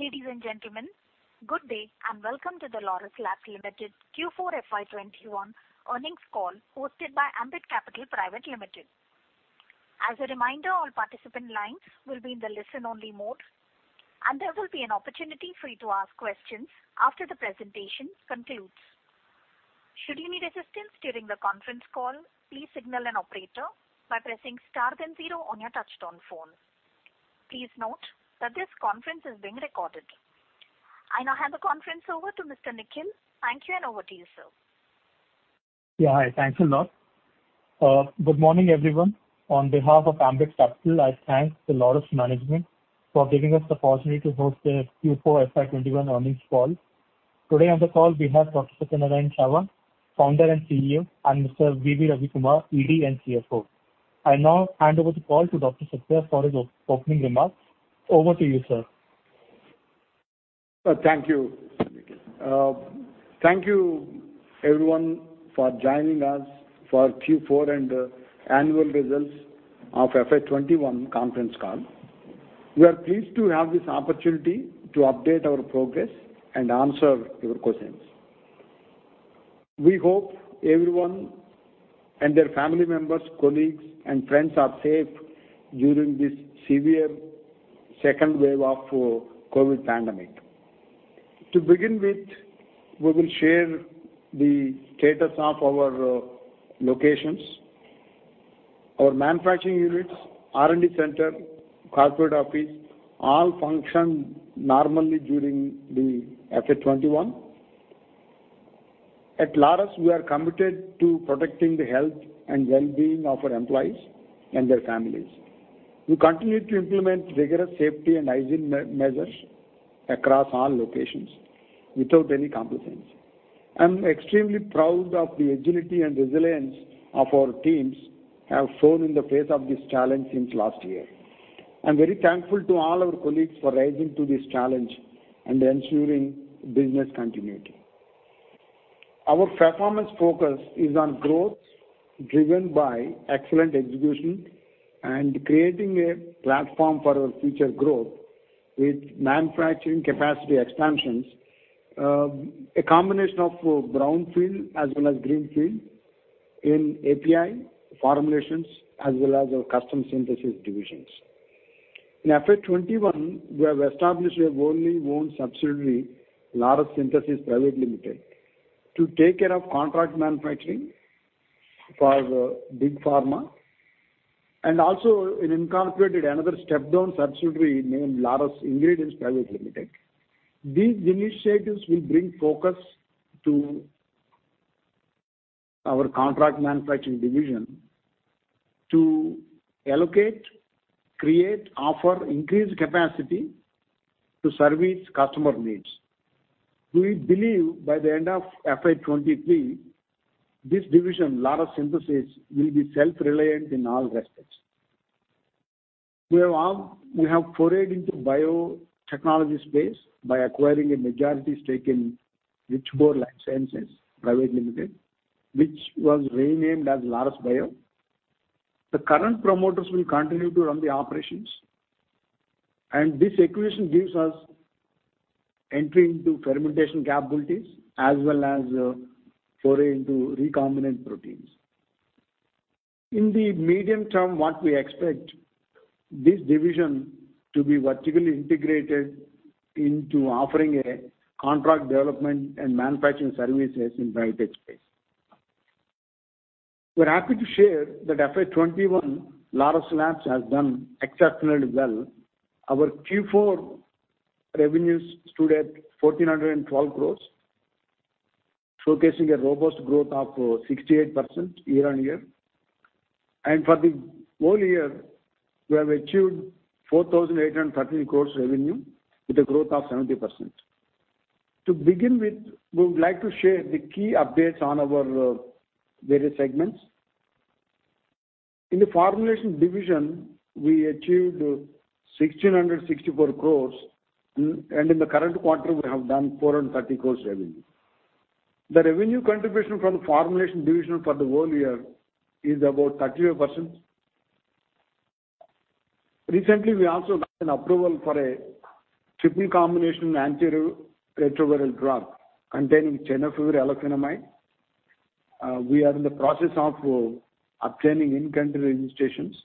Ladies and gentlemen, good day. Welcome to the Laurus Labs Limited Q4 FY 2021 earnings call hosted by Ambit Capital Private Limited. As a reminder, all participant lines will be in the listen-only mode. There will be an opportunity for you to ask questions after the presentation concludes. Should you need assistance during the conference call, please signal an operator by pressing star then zero on your touch-tone phone. Please note that this conference is being recorded. I now hand the conference over to Mr. Nikhil. Thank you. Over to you, sir. Yeah. Hi. Thanks a lot. Good morning, everyone. On behalf of Ambit Capital, I thank the Laurus management for giving us the opportunity to host the Q4 FY 2021 earnings call. Today on the call we have Dr. Satyanarayana Chava, Founder and CEO, and Mr. V.V. Ravi Kumar, ED and CFO. I now hand over the call to Dr. Satya for his opening remarks. Over to you, sir. Thank you, Nikhil. Thank you everyone for joining us for Q4 and annual results of FY 2021 conference call. We are pleased to have this opportunity to update our progress and answer your questions. We hope everyone and their family members, colleagues, and friends are safe during this severe second wave of COVID pandemic. To begin with, we will share the status of our locations. Our manufacturing units, R&D center, corporate office, all functioned normally during the FY 2021. At Laurus, we are committed to protecting the health and well-being of our employees and their families. We continue to implement rigorous safety and hygiene measures across all locations without any compromise. I'm extremely proud of the agility and resilience of our teams have shown in the face of this challenge since last year. I'm very thankful to all our colleagues for rising to this challenge and ensuring business continuity. Our performance focus is on growth driven by excellent execution and creating a platform for our future growth with manufacturing capacity expansions, a combination of brownfield as well as greenfield in API formulations, as well as our custom synthesis divisions. In FY 2021, we have established a wholly-owned subsidiary, Laurus Synthesis Private Limited, to take care of contract manufacturing for big pharma, and also it incorporated another step-down subsidiary named Laurus Ingredients Private Limited. These initiatives will bring focus to our contract manufacturing division to allocate, create, offer increased capacity to service customer needs. We believe by the end of FY 2023, this division, Laurus Synthesis, will be self-reliant in all respects. We have forayed into biotechnology space by acquiring a majority stake in Richcore Lifesciences Private Limited, which was renamed as Laurus Bio. The current promoters will continue to run the operations, this acquisition gives us entry into fermentation capabilities as well as foray into recombinant proteins. In the medium term, what we expect this division to be vertically integrated into offering a contract development and manufacturing services in biotech space. We are happy to share that FY 2021, Laurus Labs has done exceptionally well. Our Q4 revenues stood at 1,412 crores, showcasing a robust growth of 68% year-on-year. For the whole year, we have achieved 4,813 crores revenue with a growth of 70%. To begin with, we would like to share the key updates on our various segments. In the formulation division, we achieved 1,664 crores, and in the current quarter, we have done 430 crores revenue. The revenue contribution from the formulation division for the whole year is about 38%. Recently, we also got an approval for a triple combination antiretroviral drug containing tenofovir alafenamide. We are in the process of obtaining in-country registrations.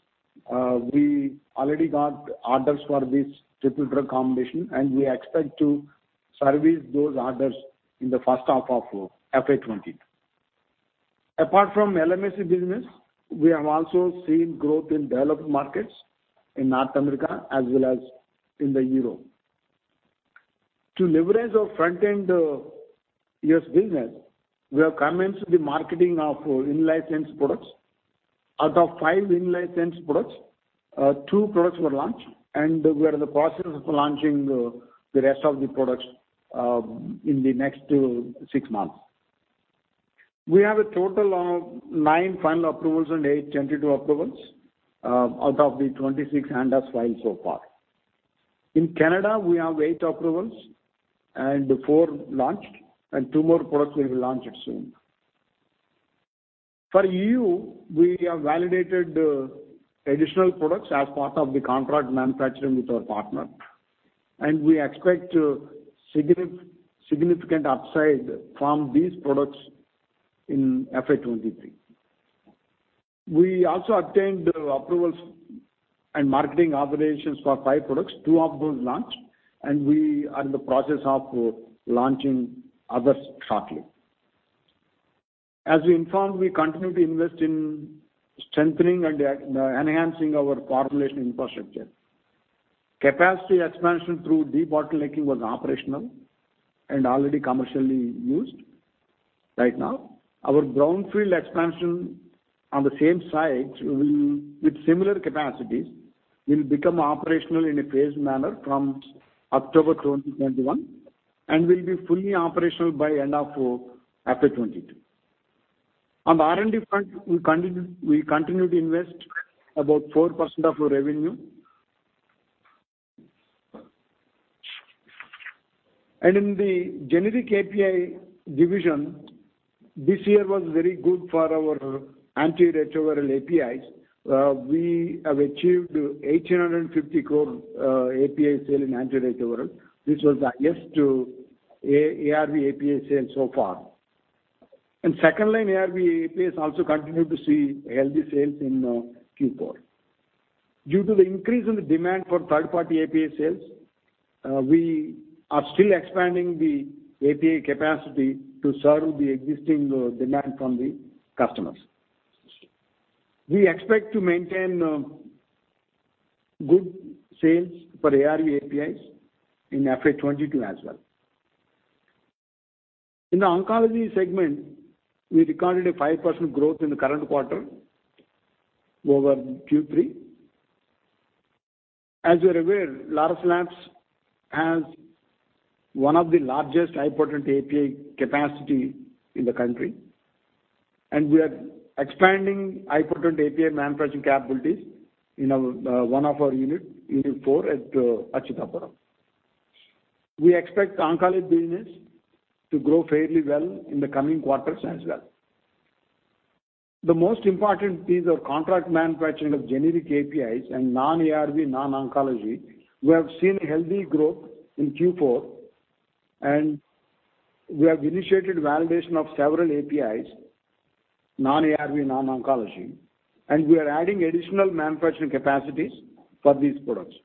We already got orders for this triple drug combination. We expect to service those orders in the first half of FY 2020. Apart from the LMIC business, we have also seen growth in developed markets in North America as well as in the Europe. To leverage our front-end U.S. business, we have commenced the marketing of in-licensed products. Out of five in-licensed products, two products were launched. We are in the process of launching the rest of the products in the next six months. We have a total of nine final approvals and eight tentative approvals, out of the 26 ANDAs filed so far. In Canada, we have eight approvals, and four launched, and two more products will be launched soon. For EU, we have validated additional products as part of the contract manufacturing with our partner, and we expect significant upside from these products in FY 2023. We also obtained approvals and marketing authorizations for five products. Two of those launched, and we are in the process of launching others shortly. As we informed, we continue to invest in strengthening and enhancing our formulation infrastructure. Capacity expansion through debottlenecking was operational and already commercially used right now. Our brownfield expansion on the same site with similar capacities will become operational in a phased manner from October 2021, and will be fully operational by end of FY 2022. On the R&D front, we continue to invest about 4% of our revenue. In the generic API division, this year was very good for our antiretroviral APIs. We have achieved 1,850 crore API sale in antiretroviral, which was the highest ARV API sale so far. Second-line ARV APIs also continued to see healthy sales in Q4. Due to the increase in the demand for third-party API sales, we are still expanding the API capacity to serve the existing demand from the customers. We expect to maintain good sales for ARV APIs in FY 2022 as well. In the oncology segment, we recorded a 5% growth in the current quarter over Q3. As you're aware, Laurus Labs has one of the largest high-potent API capacity in the country. We are expanding high-potent API manufacturing capabilities in one of our unit four at Atchutapuram. We expect oncology business to grow fairly well in the coming quarters as well. The most important piece of contract manufacturing of generic APIs and non-ARV, non-oncology, we have seen a healthy growth in Q4. We have initiated validation of several APIs, non-ARV, non-oncology. We are adding additional manufacturing capacities for these products.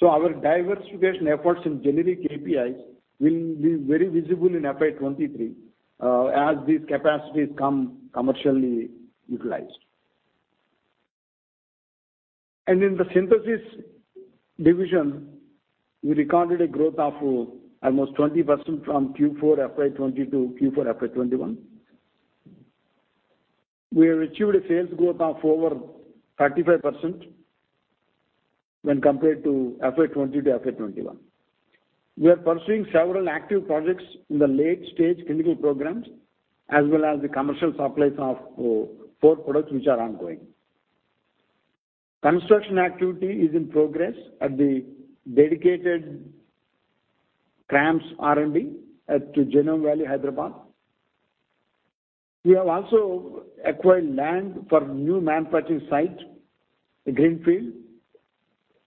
Our diversification efforts in generic APIs will be very visible in FY 2023, as these capacities come commercially utilized. In the synthesis division, we recorded a growth of almost 20% from Q4 FY 2020 to Q4 FY 2021. We have achieved a sales growth of over 35% when compared to FY 2020 to FY 2021. We are pursuing several active projects in the late-stage clinical programs, as well as the commercial supplies of four products which are ongoing. Construction activity is in progress at the dedicated CRAMS R&D at Genome Valley, Hyderabad. We have also acquired land for new manufacturing site, a greenfield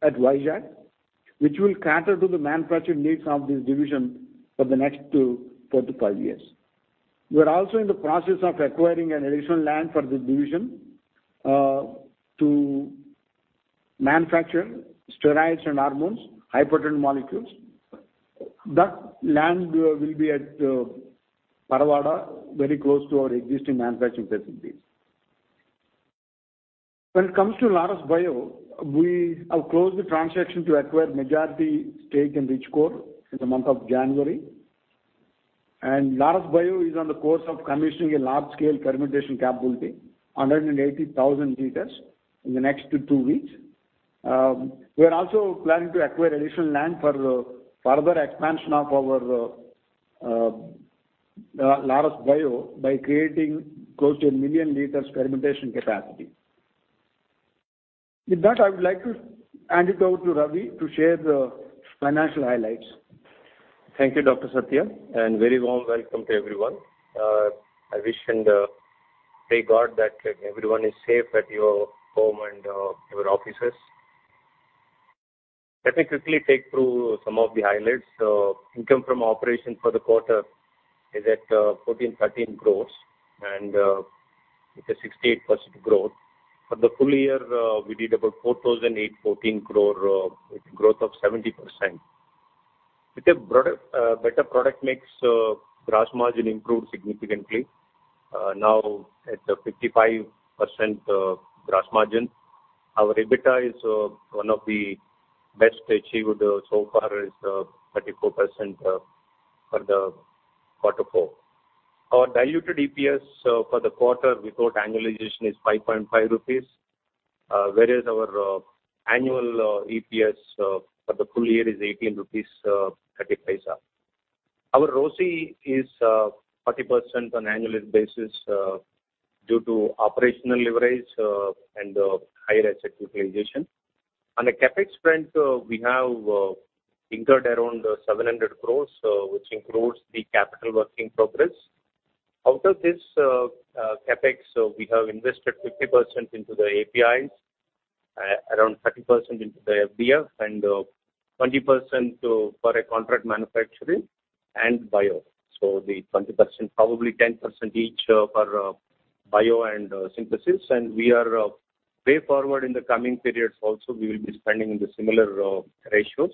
at Vizag, which will cater to the manufacturing needs of this division for the next four to five years. We are also in the process of acquiring an additional land for this division, to manufacture steroids and hormones, high-potent molecules. That land will be at Parawada, very close to our existing manufacturing facilities. When it comes to Laurus Bio, we have closed the transaction to acquire majority stake in Richcore in the month of January. Laurus Bio is on the course of commissioning a large-scale fermentation capability, 180,000 liters, in the next two weeks. We are also planning to acquire additional land for further expansion of our Laurus Bio by creating close to 1 million liters fermentation capacity. With that, I would like to hand it over to V. V. Ravi Kumar to share the financial highlights. Thank you, Dr. Satya, very warm welcome to everyone. I wish and pray to God that everyone is safe at your home and your offices. Let me quickly take through some of the highlights. Income from operation for the quarter is at 1,413 crore, and it is 68% growth. For the full-year, we did about 4,814 crore, with growth of 70%. With a better product mix, gross margin improved significantly, now at 55% gross margin. Our EBITDA is one of the best achieved so far, is 34% for the quarter four. Our diluted EPS for the quarter before annualization is 5.5 crore rupees, whereas our annual EPS for the full-year is 18.35 rupees. Our ROCE is 30% on annualized basis due to operational leverage and high asset utilization. On the CapEx front, we have incurred around 700 crore, which includes the capital work-in-progress. Out of this CapEx, we have invested 50% into the APIs, around 30% into the FDF, and 20% for contract manufacturing and bio. The 20%, probably 10% each for bio and synthesis, and we are way forward in the coming periods also, we will be spending in the similar ratios.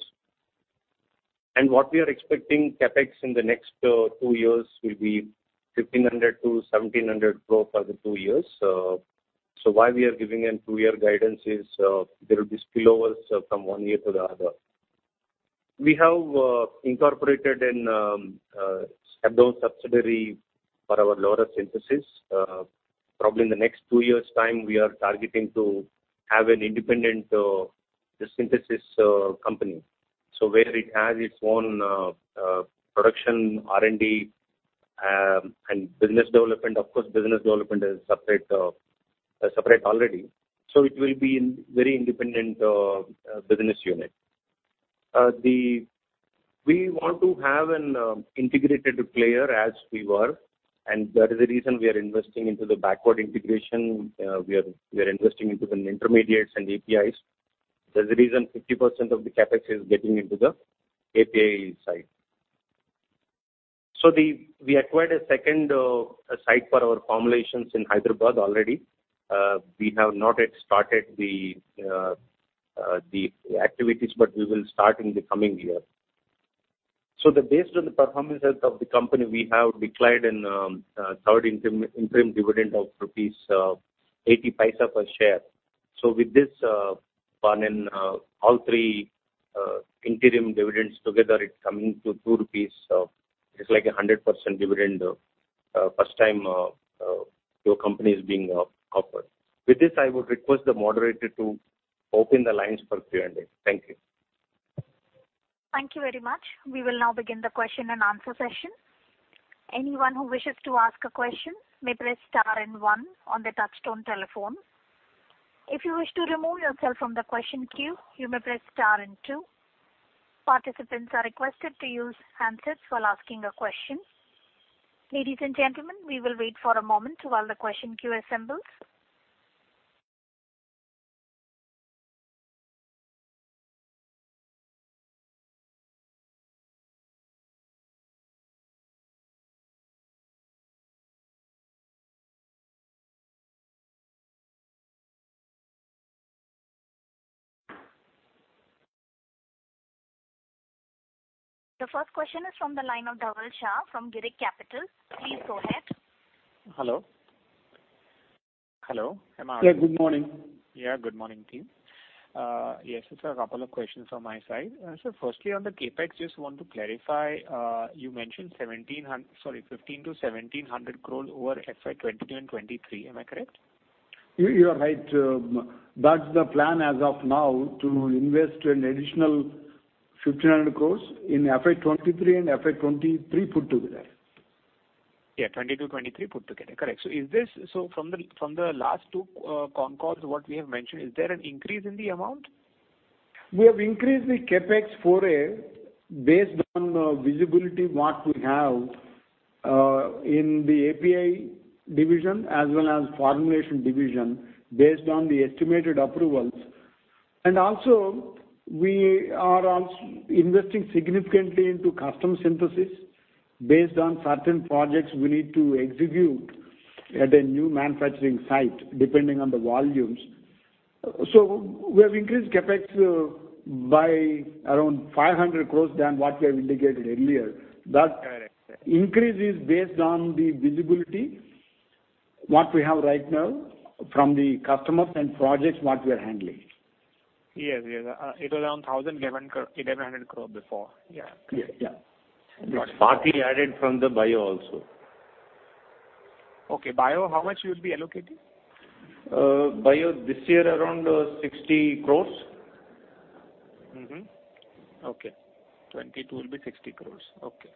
What we are expecting CapEx in the next two years will be 1,500 crore-1,700 crore for the two years. Why we are giving a two-year guidance is there will be spillovers from one year to the other. We have incorporated in a separate subsidiary for our Laurus Synthesis. Probably in the next two years' time, we are targeting to have an independent synthesis company. Where it has its own production, R&D, and business development. Of course, business development is separate already. It will be a very independent business unit. We want to have an integrated player as we were, That is the reason we are investing into the backward integration. We are investing into the intermediates and APIs. There's a reason 50% of the CapEx is getting into the API side. We acquired a second site for our formulations in Hyderabad already. We have not yet started the activities, We will start in the coming year. Based on the performance of the company, we have declared a third interim dividend of 0.80 per share. With this one and all three interim dividends together, it's coming to 2 crore rupees. It's like a 100% dividend. First time our company is being offered. With this, I would request the moderator to open the lines for Q&A. Thank you. Thank you very much. We will now begin the question and answer session. Anyone who wishes to ask a question may press star and one on the touch-tone telephone. If you wish to remove yourself from the question queue, you may press star and two. Participants are requested to use handsets while asking a question. Ladies and gentlemen, we will wait for a moment while the question queue assembles. The first question is from the line of Dhaval Shah from Girik Capital. Please go ahead. Hello? Hello, am I on? Yeah. Good morning. Yeah. Good morning, team. Yes, it's a couple of questions from my side. Sir, firstly, on the CapEx, just want to clarify, you mentioned 15-1,700 crores over FY 2022 and 2023. Am I correct? You are right. That's the plan as of now, to invest an additional 1,500 crores in FY 2023 and FY 2022 put together. Yeah, 2022, 2023 put together. Correct. From the last two con calls, what we have mentioned, is there an increase in the amount? We have increased the CapEx based on visibility what we have, in the API division as well as formulation division, based on the estimated approvals. We are investing significantly into custom synthesis based on certain projects we need to execute at a new manufacturing site, depending on the volumes. We have increased CapEx by around 500 crore than what we have indicated earlier. Correct Increase is based on the visibility, what we have right now from the customers and projects what we are handling. Yes. It was around 1,100 crore before. Yeah. Yeah. It's partly added from the Bio also. Okay, Bio, how much you would be allocating? Bio, this year, around 60 crores. Okay. 22 will be 60 crores. Okay.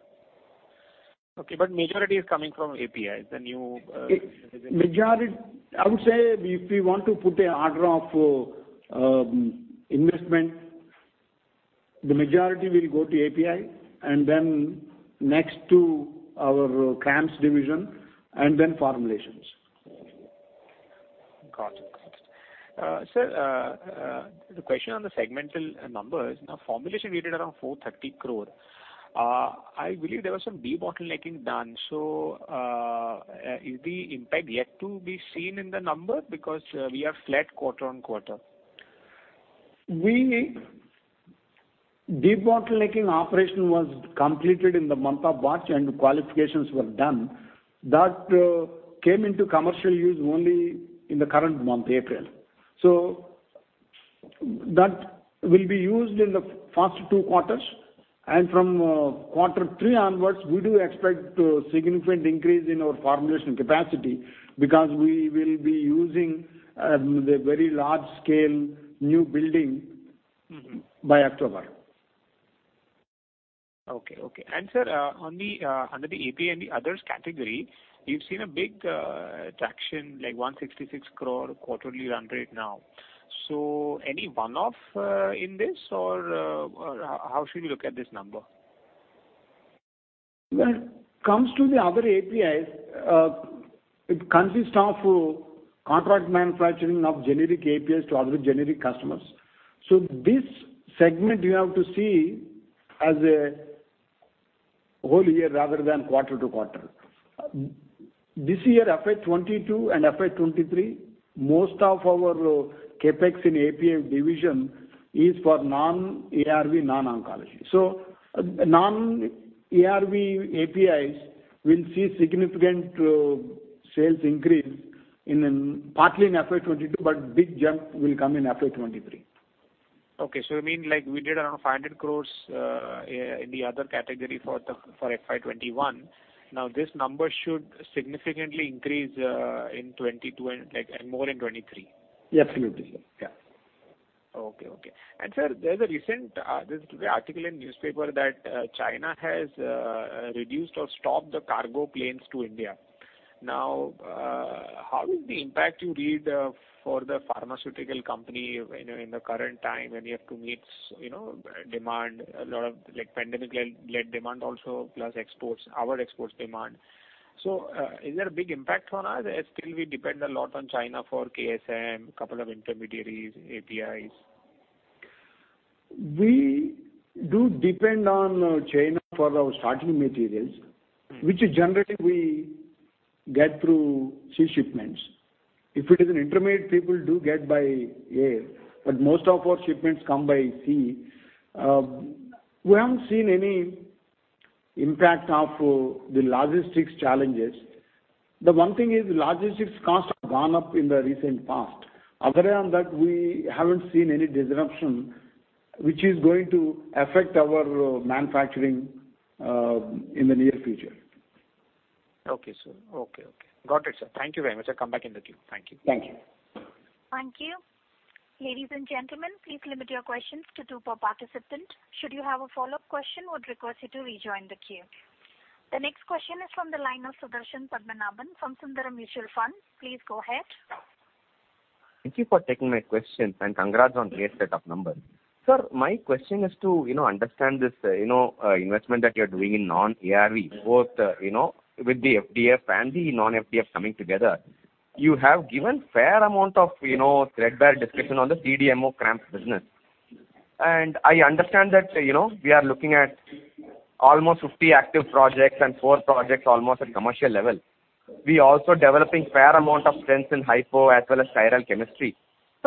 Majority is coming from API. I would say, if we want to put an order of investment, the majority will go to API, and then next to our CRAMS division, and then formulations. Got it. Sir, the question on the segmental numbers. Formulation we did around 430 crore. I believe there was some debottlenecking done. Is the impact yet to be seen in the number because we are flat quarter-on-quarter? Debottlenecking operation was completed in the month of March, and qualifications were done. That came into commercial use only in the current month, April. That will be used in the first two quarters, and from quarter three onwards, we do expect a significant increase in our formulation capacity because we will be using the very large-scale new building by October. Okay. Sir, under the API and the others category, you've seen a big traction, like 166 crore quarterly run rate now. Any one-off in this? How should we look at this number? When it comes to the other APIs, it consists of contract manufacturing of generic APIs to other generic customers. This segment, you have to see as a whole year rather than quarter-to-quarter. This year, FY 2022 and FY 2023, most of our CapEx in API division is for non-ARV, non-oncology. Non-ARV APIs will see significant sales increase partly in FY 2022, but big jump will come in FY 2023. Okay. You mean we did around 500 crore in the other category for FY 2021. This number should significantly increase in 2020 and more in 2023. Absolutely. Yeah. Okay. Sir, there's today article in newspaper that China has reduced or stopped the cargo planes to India. How is the impact you read for the pharmaceutical company in the current time when you have to meet demand, a lot of pandemic-led demand also, plus our exports demand? Is there a big impact on us as still we depend a lot on China for KSM, couple of intermediaries, APIs? We do depend on China for our starting materials, which generally we get through sea shipments. If it is an intermediate, people do get by air, but most of our shipments come by sea. We haven't seen any impact of the logistics challenges. The one thing is logistics costs have gone up in the recent past. Other than that, we haven't seen any disruption which is going to affect our manufacturing in the near future. Okay, sir. Got it, sir. Thank you very much. I'll come back in the queue. Thank you. Thank you. Thank you. Ladies and gentlemen, please limit your questions to two per participant. Should you have a follow-up question, would request you to rejoin the queue. The next question is from the line of Sudarshan Padmanabhan from Sundaram Mutual Fund. Please go ahead. Thank you for taking my questions. Congrats on great set of numbers. Sir, my question is to understand this investment that you're doing in non-ARV, both with the FDF and the non-FDF coming together. You have given fair amount of threadbare discussion on the CDMO CRAMS business. I understand that we are looking at almost 50 active projects and four projects almost at commercial level. We also developing fair amount of strengths in high-potent as well as chiral chemistry.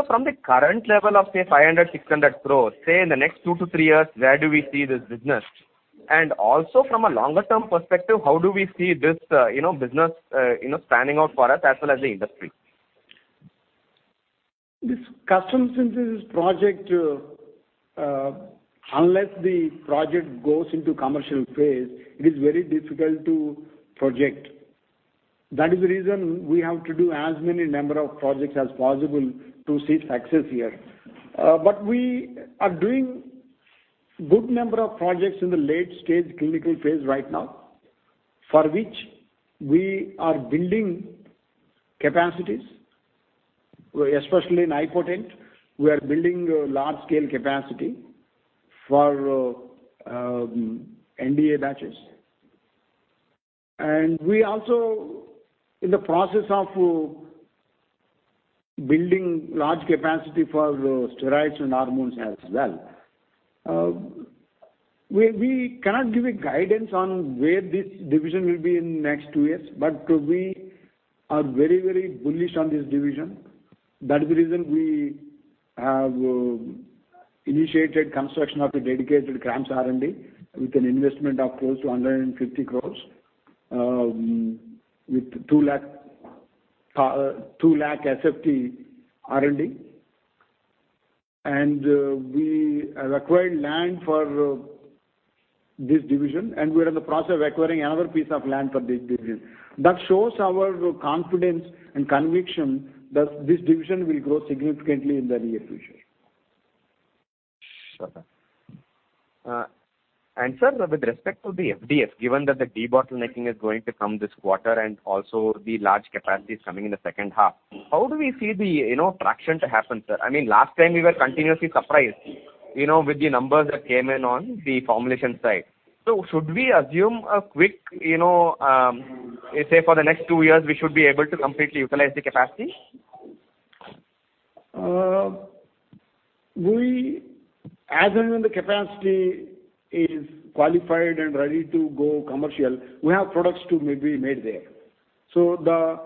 From the current level of, say, 500 crore-600 crore, say, in the next two to three years, where do we see this business? Also from a longer-term perspective, how do we see this business panning out for us as well as the industry? This custom synthesis project, unless the project goes into commercial phase, it is very difficult to project. That is the reason we have to do as many number of projects as possible to see success here. We are doing good number of projects in the late-stage clinical phase right now, for which we are building capacities, especially in high-potent. We are building large-scale capacity for NDA batches. We also in the process of building large capacity for steroids and hormones as well. We cannot give a guidance on where this division will be in next two years, but we are very bullish on this division. That's the reason we have initiated construction of a dedicated CRAMS R&D with an investment of close to 150 crores, with 2 lakh sq ft R&D. We acquired land for this division, and we are in the process of acquiring another piece of land for this division. That shows our confidence and conviction that this division will grow significantly in the near future. Sure, sir. Sir, with respect to the FDF, given that the debottlenecking is going to come this quarter and also the large capacity is coming in the second half, how do we see the traction to happen, sir? Last time we were continuously surprised with the numbers that came in on the formulation side. Should we assume a quick, say for the next two years, we should be able to completely utilize the capacity? As and when the capacity is qualified and ready to go commercial, we have products to be made there. The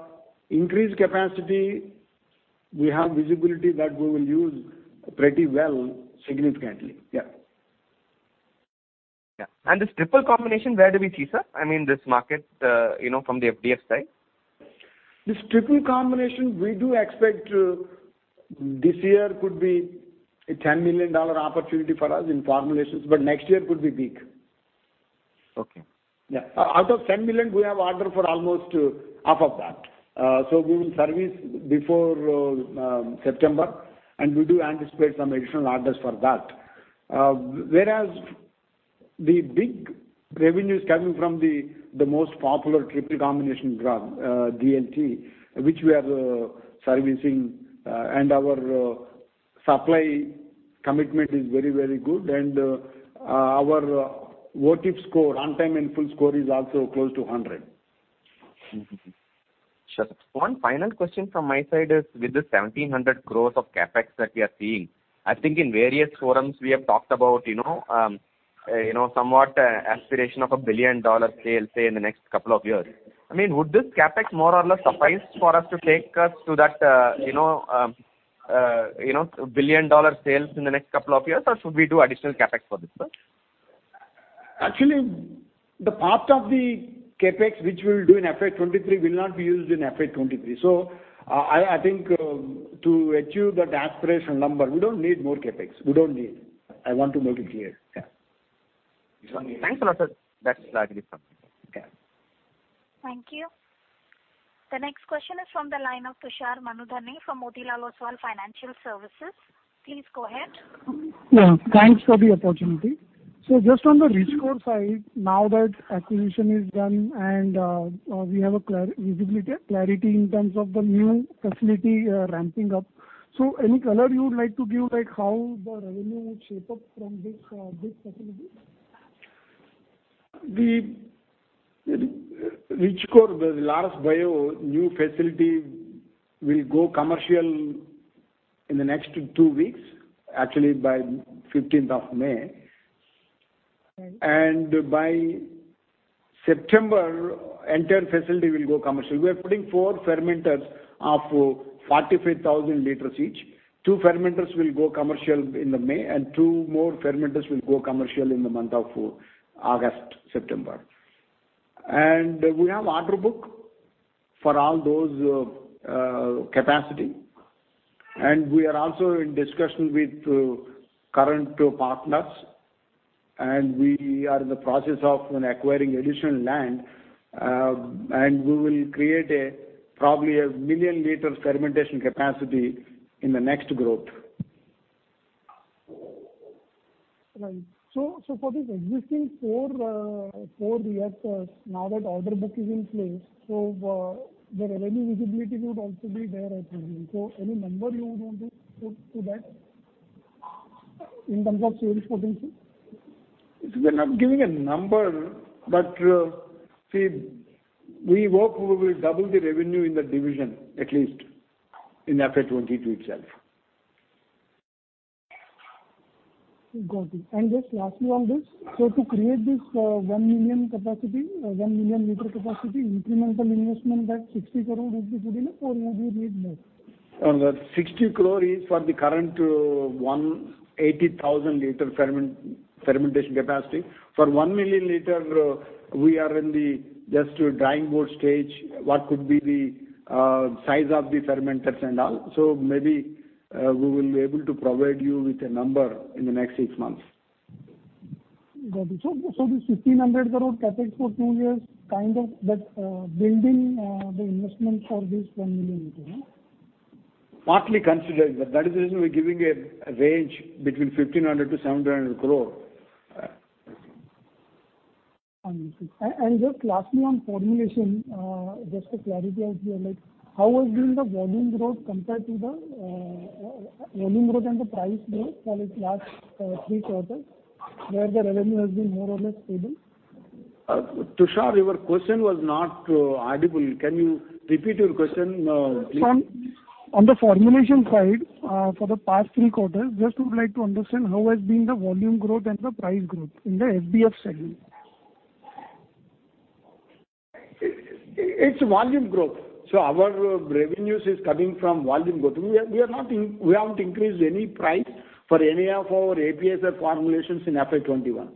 increased capacity, we have visibility that we will use pretty well, significantly. Yeah. Yeah. This triple combination, where do we see, sir, this market from the FDF side? This triple combination, we do expect this year could be a $10 million opportunity for us in formulations, but next year could be big. Okay. Yeah. Out of 10 million, we have order for almost half of that. We will service before September, and we do anticipate some additional orders for that. The big revenue is coming from the most popular triple combination drug, TLD, which we are servicing, and our supply commitment is very, very good. Our OTIF score, on-time and full score, is also close to 100. Sure. One final question from my side is with the 1,700 crores of CapEx that we are seeing, I think in various forums, we have talked about somewhat aspiration of a billion-dollar sale, say, in the next couple of years. Would this CapEx more or less suffice for us to take us to that billion-dollar sales in the next couple of years, or should we do additional CapEx for this, sir? Actually, the part of the CapEx which we'll do in FY 2023 will not be used in FY 2023. I think to achieve that aspiration number, we don't need more CapEx. We don't need. I want to make it clear. Yeah. Thanks a lot, sir. That is largely from me. Yeah. Thank you. The next question is from the line of Tushar Manudhane from Motilal Oswal Financial Services. Please go ahead. Yeah, thanks for the opportunity. Just on the Richcore side, now that acquisition is done and we have a visibility, clarity in terms of the new facility ramping up. Any color you would like to give, like how the revenue would shape up from this facility? The Richcore, the Laurus Bio new facility will go commercial in the next two weeks, actually by 15th of May. Right. By September, entire facility will go commercial. We are putting four fermenters of 45,000 L each. Two fermenters will go commercial in May, and two more fermenters will go commercial in the month of August, September. We have order book for all those capacity. We are also in discussion with current partners, and we are in the process of acquiring additional land, and we will create probably a million liter fermentation capacity in the next growth. Right. For this existing four reactors, now that order book is in place, the revenue visibility would also be there, I presume. Any number you would want to put to that in terms of sales potential? We're not giving a number, see, we hope we will double the revenue in the division, at least in FY 2022 itself. Got it. Just lastly on this, to create this 1,000,000 L capacity, incremental investment, that 60 crore would be good enough, or you will need more? 60 crore is for the current 180,000 L fermentation capacity. For 1,000,000 L, we are in the just drawing board stage, what could be the size of the fermenters and all. Maybe we will be able to provide you with a number in the next six months. Got it. This INR 1,500 crore CapEx for two years, kind of that building the investment for this 1 million liter, no? Partly considered, but that is the reason we're giving a range between 1,500 crore-700 crore. Understood. Just lastly on formulation, just for clarity out here, how has been the volume growth and the price growth for the last three quarters where the revenue has been more or less stable? Tushar, your question was not audible. Can you repeat your question please? On the formulation side, for the past three quarters, just would like to understand how has been the volume growth and the price growth in the FDF segment? It's volume growth. Our revenues is coming from volume growth. We haven't increased any price for any of our PEPFAR formulations in FY 2021.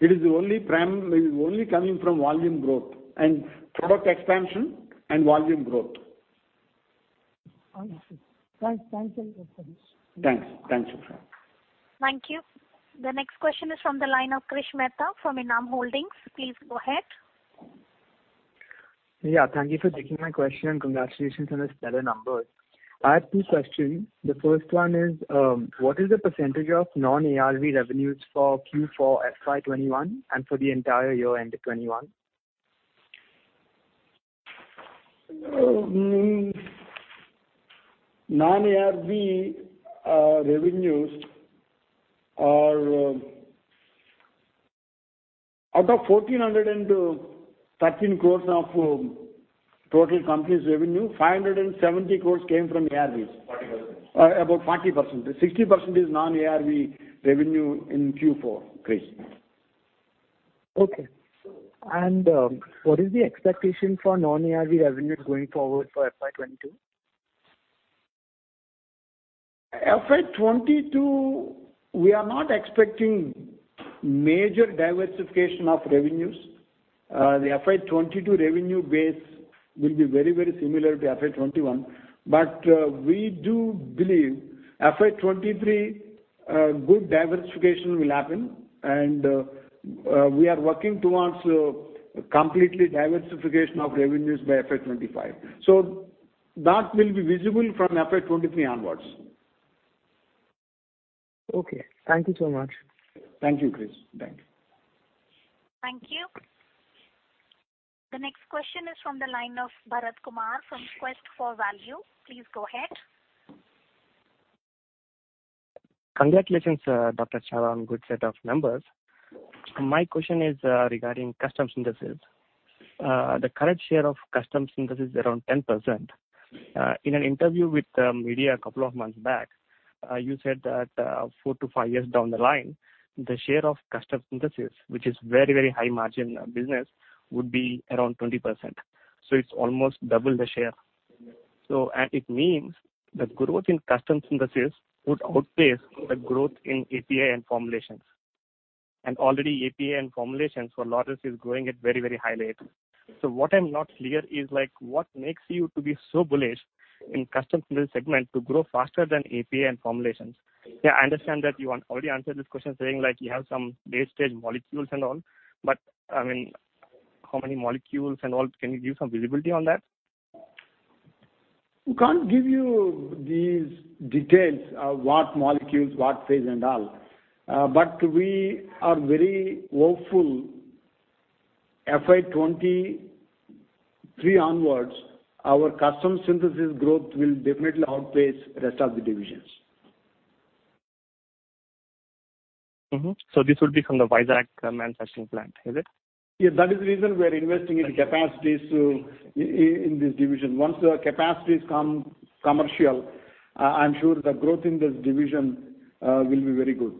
It is only coming from volume growth, and product expansion and volume growth. Understood. Thanks a lot for this. Thanks, Tushar. Thank you. The next question is from the line of Krish Mehta from Enam Holdings. Please go ahead. Yeah, thank you for taking my question, and congratulations on these stellar numbers. I have two questions. The first one is, what is the percentage of non-ARV revenues for Q4 FY 2021 and for the entire year-end 2021? Non-ARV revenues are out of 1,413 crores of total company's revenue, 570 crores came from ARVs. 40%. About 40%. 60% is non-ARV revenue in Q4, Krish. Okay. What is the expectation for non-ARV revenues going forward for FY 2022? FY 2022, we are not expecting major diversification of revenues. The FY 2022 revenue base will be very similar to FY 2021. We do believe FY 2023, good diversification will happen, and we are working towards completely diversification of revenues by FY 2025. That will be visible from FY 2023 onwards. Okay. Thank you so much. Thank you, Krish. Thank you. Thank you. The next question is from the line of Bharat Kumar from Quest for Value. Please go ahead. Congratulations, Dr. Satya, on good set of numbers. My question is regarding custom synthesis. The current share of custom synthesis is around 10%. In an interview with the media a couple of months back, you said that four to five years down the line, the share of custom synthesis, which is very high-margin business, would be around 20%. It's almost double the share. It means the growth in custom synthesis would outpace the growth in API and formulations. Already API and formulations for Laurus is growing at very high rate. What I'm not clear is what makes you to be so bullish in custom synthesis segment to grow faster than API and formulations? I understand that you already answered this question saying you have some late-stage molecules and all, but how many molecules and all, can you give some visibility on that? We can't give you these details of what molecules, what phase, and all. We are very hopeful FY 2023 onwards, our custom synthesis growth will definitely outpace rest of the divisions. Mm-hmm. This would be from the Vizag manufacturing plant, is it? Yes, that is the reason we are investing in capacities in this division. Once the capacities come commercial, I'm sure the growth in this division will be very good.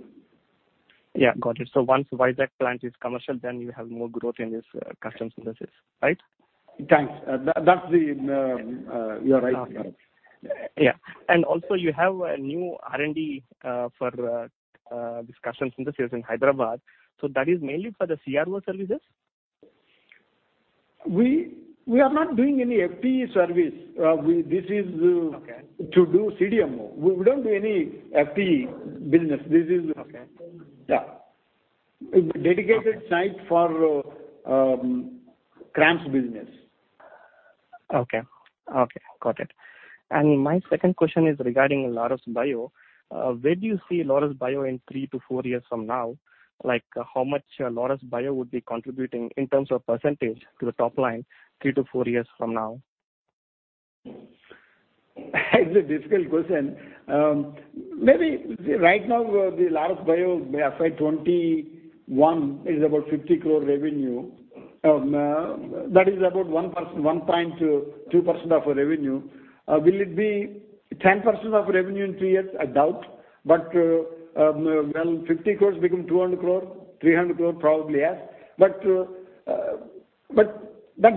Yeah. Got it. Once Vizag plant is commercial, then you have more growth in this custom synthesis, right? Thanks. You are right. Yeah. Also you have a new R&D for custom synthesis in Hyderabad. That is mainly for the CRO services? We are not doing any FTE service. Okay. This is to do CDMO. We don't do any FTE business. Okay. Yeah. Dedicated site for CRAMS business. Okay. Got it. My second question is regarding Laurus Bio. Where do you see Laurus Bio in three to four years from now? How much Laurus Bio would be contributing in terms of percentage to the top line three to four years from now? That's a difficult question. Right now, the Laurus Bio FY 2021 is about 50 crore revenue. That is about 1.2% of our revenue. Will it be 10% of revenue in three years? I doubt. Will 50 crore become 200 crore, 300 crore? Probably, yes. That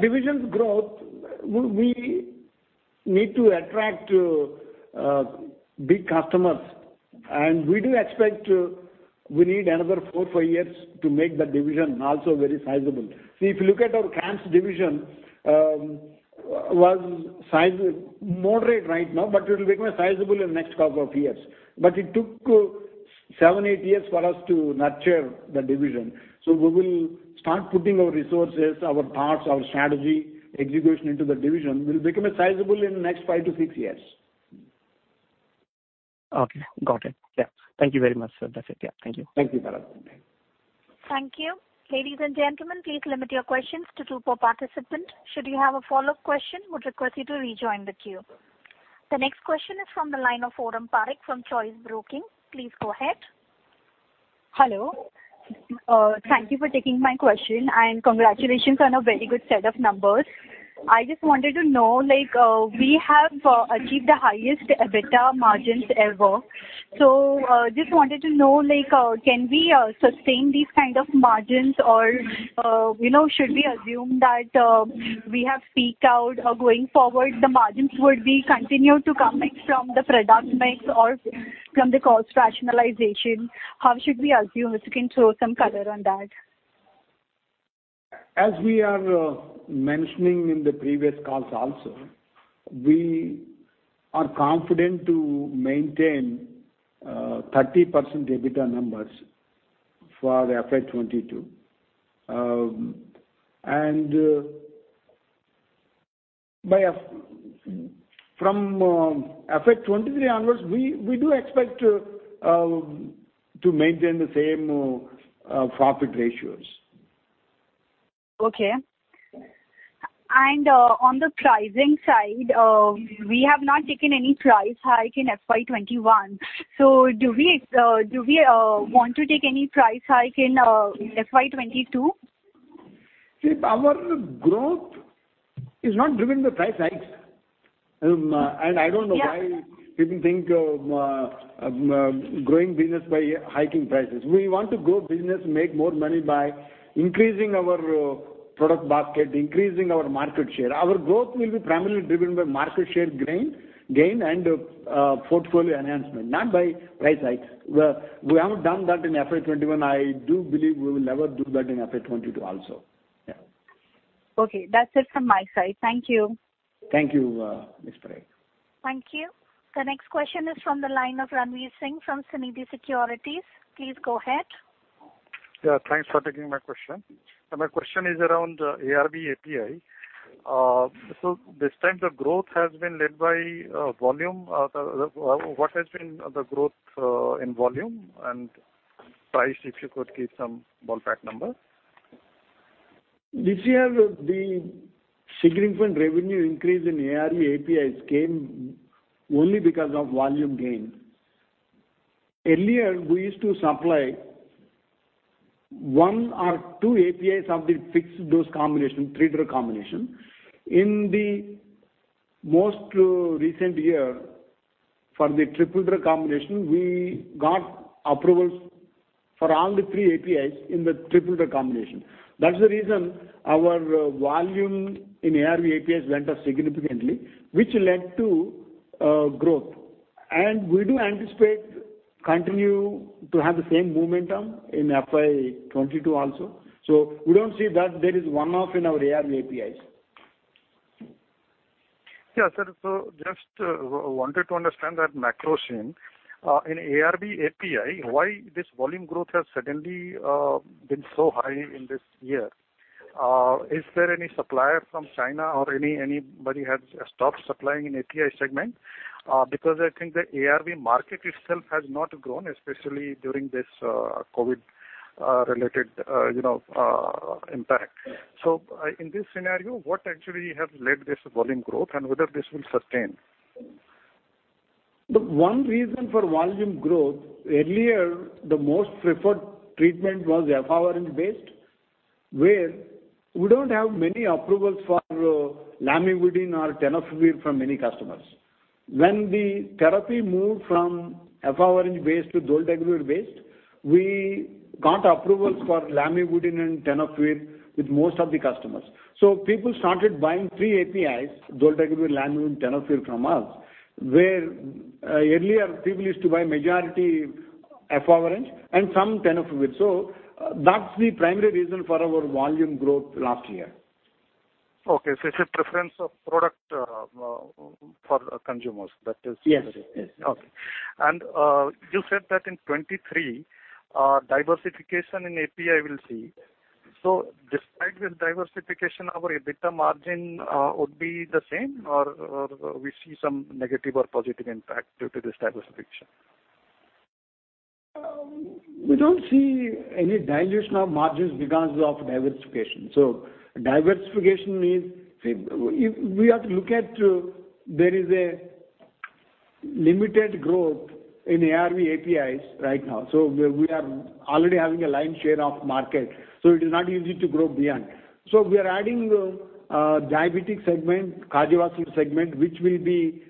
division's growth, we need to attract big customers, and we do expect we need another four, five years to make that division also very sizable. If you look at our CRAMS division, was moderate right now, but it will become a sizable in next couple of years. It took seven, eight years for us to nurture the division. We will start putting our resources, our thoughts, our strategy execution into the division. Will become sizable in the next five to six years. Okay. Got it. Yeah. Thank you very much, sir. That's it. Yeah. Thank you. Thank you, Bharat. Thank you. Ladies and gentlemen, please limit your questions to two per participant. Should you have a follow-up question, would request you to rejoin the queue. The next question is from the line of Arun Barik from Choice Broking. Please go ahead. Hello. Thank you for taking my question, and congratulations on a very good set of numbers. I just wanted to know, we have achieved the highest EBITDA margins ever. Just wanted to know, can we sustain these kind of margins or should we assume that we have peaked out or going forward, the margins would be continued to coming from the product mix or from the cost rationalization? How should we assume? If you can throw some color on that. As we are mentioning in the previous calls also, we are confident to maintain 30% EBITDA numbers for the FY 2022. From FY 2023 onwards, we do expect to maintain the same profit ratios. Okay. On the pricing side, we have not taken any price hike in FY 2021. Do we want to take any price hike in FY 2022? See, our growth is not driven by price hikes. Yeah people think growing business by hiking prices. We want to grow business, make more money by increasing our product basket, increasing our market share. Our growth will be primarily driven by market share gain and portfolio enhancement, not by price hike. We haven't done that in FY 2021. I do believe we will never do that in FY 2022 also. Yeah. Okay. That's it from my side. Thank you. Thank you, Arun. Thank you. The next question is from the line of Ranveer Singh from Sunidhi Securities. Please go ahead. Yeah. Thanks for taking my question. My question is around ARV API. This time, the growth has been led by volume. What has been the growth in volume and price? If you could give some ballpark number. This year, the significant revenue increase in ARV APIs came only because of volume gain. Earlier, we used to supply one or two APIs of the fixed-dose combination, three-drug combination. In the most recent year, for the triple-drug combination, we got approvals for all the three APIs in the triple-drug combination. That's the reason our volume in ARV APIs went up significantly, which led to growth. We do anticipate continue to have the same momentum in FY 2022 also. We don't see that there is one-off in our ARV APIs. Yeah, sir. Just wanted to understand that macro scene. In ARV API, why this volume growth has suddenly been so high in this year? Is there any supplier from China or anybody has stopped supplying in API segment? I think the ARV market itself has not grown, especially during this COVID-related impact. In this scenario, what actually has led this volume growth, and whether this will sustain? The one reason for volume growth, earlier, the most preferred treatment was efavirenz-based, where we don't have many approvals for lamivudine or tenofovir from many customers. When the therapy moved from efavirenz-based to dolutegravir-based, we got approvals for lamivudine and tenofovir with most of the customers. People started buying three APIs, dolutegravir, lamivudine, tenofovir from us, where earlier people used to buy majority efavirenz and some tenofovir. That's the primary reason for our volume growth last year. Okay, it's a preference of product for consumers. Yes. Okay. You said that in 2023, diversification in API we will see. Despite this diversification, our EBITDA margin would be the same, or we see some negative or positive impact due to this diversification? We don't see any dilution of margins because of diversification. Diversification means we have to look at, there is a limited growth in ARV APIs right now. We are already having a lion share of market, it is not easy to grow beyond. We are adding diabetic segment, cardiovascular segment, which will be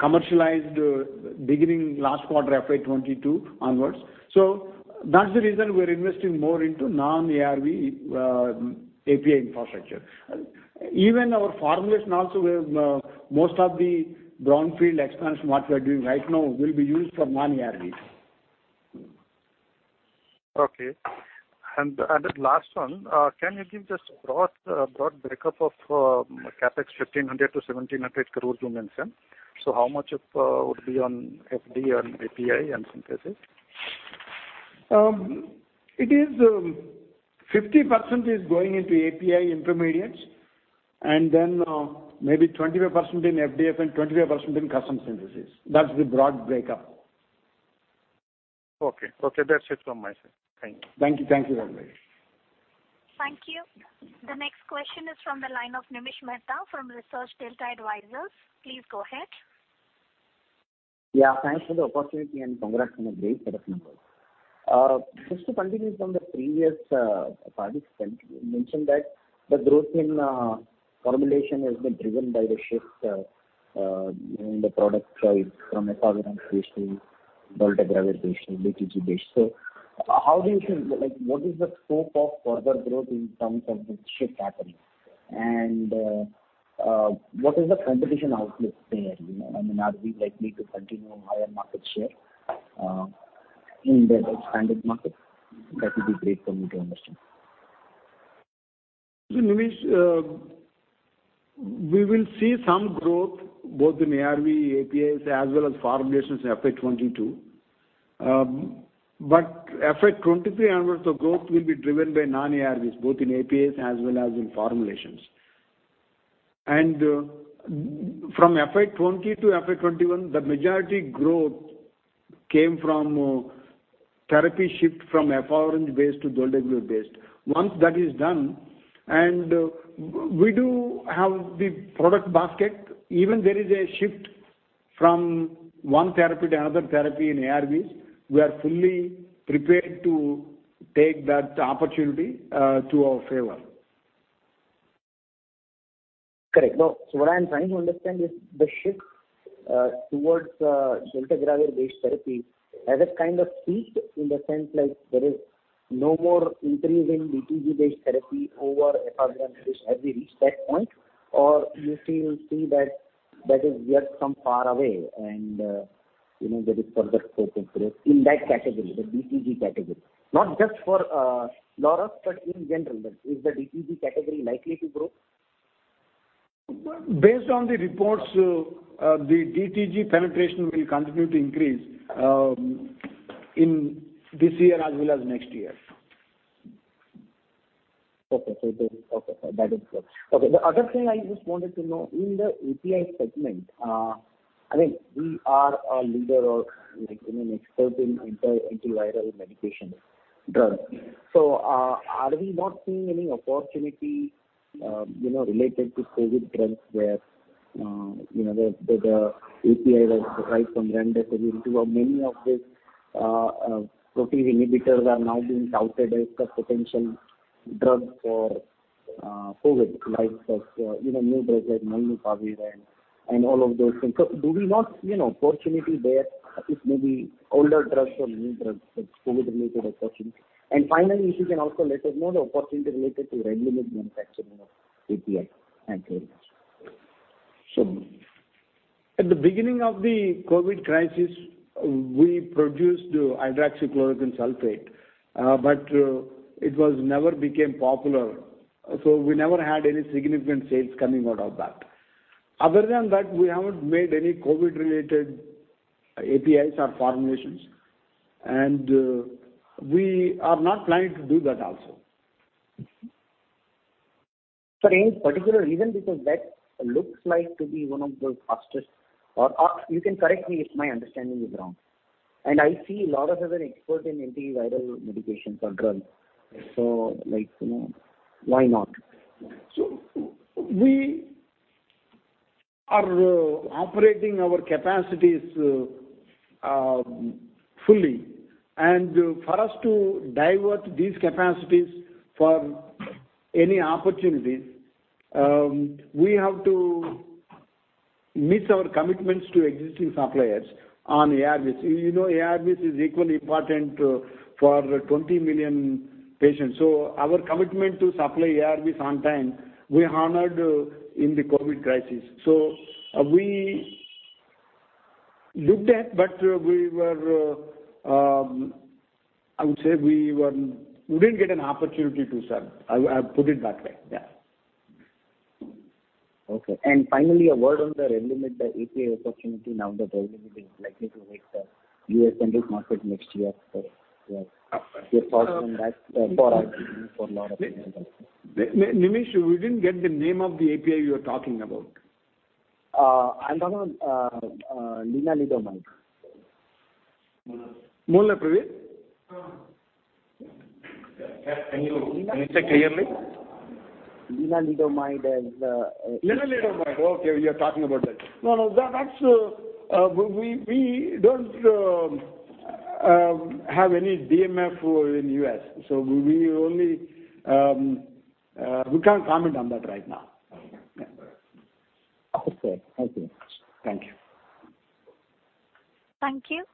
commercialized beginning last quarter FY 2022 onwards. That's the reason we're investing more into non-ARV API infrastructure. Even our formulation also, most of the brownfield expansion, what we are doing right now, will be used for non-ARVs. Okay. The last one, can you give just broad breakup of CapEx 1,500-1,700 crore you mentioned? How much of would be on FTE and API and synthesis? It is 50% is going into API intermediates, and then maybe 25% in FDF, and 25% in custom synthesis. That's the broad breakup. Okay. That's it from my side. Thank you. Thank you. Thank you. The next question is from the line of Nimish Mehta from Research Delta Advisors. Please go ahead. Yeah, thanks for the opportunity, congrats on the great set of numbers. Just to continue from the previous participant, you mentioned that the growth in formulation has been driven by the shift in the product choice from efavirenz-based to dolutegravir-based and DTG-based. How do you think What is the scope of further growth in terms of this shift happening? What is the competition outlook there? Are we likely to continue higher market share in the expanded market? That would be great for me to understand. Nimish, we will see some growth both in ARV APIs as well as formulations in FY 2022. FY 2023 onwards, the growth will be driven by non-ARVs, both in APIs as well as in formulations. From FY 2020 to FY 2021, the majority growth came from therapy shift from efavirenz-based to dolutegravir-based. Once that is done, we do have the product basket. Even there is a shift from one therapy to another therapy in ARVs, we are fully prepared to take that opportunity to our favor. Correct. What I'm trying to understand is the shift towards dolutegravir-based therapy, has that kind of peaked in the sense, there is no more increase in DTG-based therapy over efavirenz-based? Have we reached that point, or you still see that is yet some far away, and that is for the scope of growth in that category, the DTG category? Not just for Laurus, but in general, is the DTG category likely to grow? Based on the reports, the DTG penetration will continue to increase in this year as well as next year. Okay. The other thing I just wanted to know, in the API segment, I think we are a leader or an expert in antiviral medication drug. Are we not seeing any opportunity related to COVID drugs where the API price from 2022 where many of these protein inhibitors are now being touted as the potential drug for COVID, like and all of those things? Do we not see an opportunity there, if maybe older drugs or new drugs that's COVID-related opportunity? Finally, if you can also let us know the opportunity related to REVLIMID manufacturing of API. Thank you very much. At the beginning of the COVID crisis, we produced hydroxychloroquine sulfate, but it was never became popular. We never had any significant sales coming out of that. Other than that, we haven't made any COVID-related APIs or formulations, and we are not planning to do that also. For any particular reason? Because that looks like to be one of the fastest. You can correct me if my understanding is wrong. I see Laurus as an expert in antiviral medications or drug. Like, why not? We are operating our capacities fully. For us to divert these capacities for any opportunities, we have to miss our commitments to existing suppliers on ARVs. You know ARVs is equally important for 20 million patients. Our commitment to supply ARVs on time, we honored in the COVID crisis. We looked at, but we were, I would say we wouldn't get an opportunity to serve. I'll put it that way. Yeah. Okay. Finally, a word on the REVLIMID API opportunity now that REVLIMID is likely to make the U.S. generic market next year. Your thoughts on that for our team, for Laurus team? Nimish, we didn't get the name of the API you are talking about. I'm talking about lenalidomide. Praveen Moolna? Can you say clearly? lenalidomide Lenalidomide. Okay, we are talking about that. No, we don't have any DMF in U.S., we can't comment on that right now. Yeah. Okay. Thank you. Thank you. Thank you.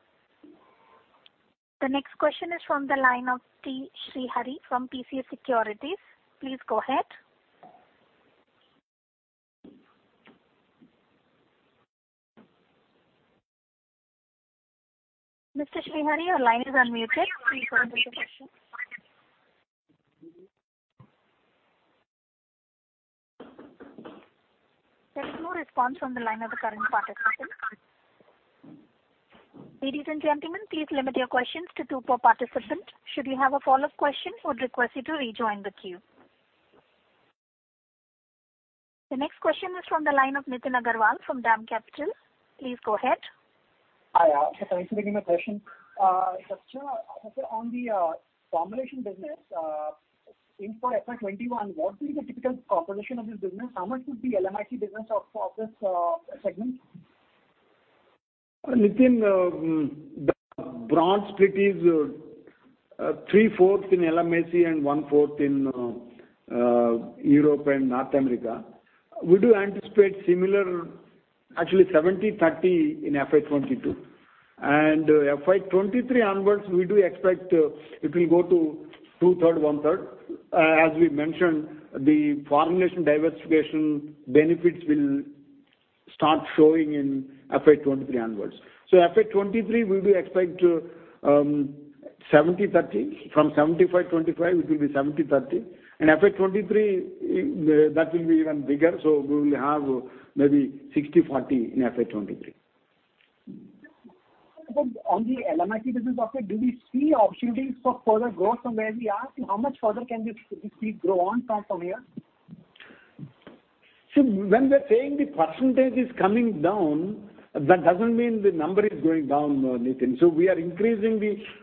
The next question is from the line of T. Srihari from PCS Securities. Please go ahead. Mr. Srihari, your line is unmuted. Please go ahead with your question. There is no response from the line of the current participant. Ladies and gentlemen, please limit your questions to two per participant. Should you have a follow-up question, I would request you to rejoin the queue. The next question is from the line of Nitin Agarwal from DAM Capital. Please go ahead. Hi. Thanks for taking my question. Satya, on the formulation business, in for FY 2021, what will be the typical composition of this business? How much would be LMIC business of this segment? Nitin, the broad split is three-fourth in LMIC and one-fourth in Europe and North America. We do anticipate similar, actually 70/30 in FY 2022. FY 2023 onwards, we do expect it will go to two-third/one-third. As we mentioned, the formulation diversification benefits will start showing in FY 2023 onwards. FY 2023, we do expect 70/30. From 75/25, it will be 70/30. In FY 2023, that will be even bigger, we will have maybe 60/40 in FY 2023. On the LMIC business, do we see opportunities for further growth from where we are? How much further can this seed grow on from here? When we're saying the percentage is coming down, that doesn't mean the number is going down, Nitin. We are increasing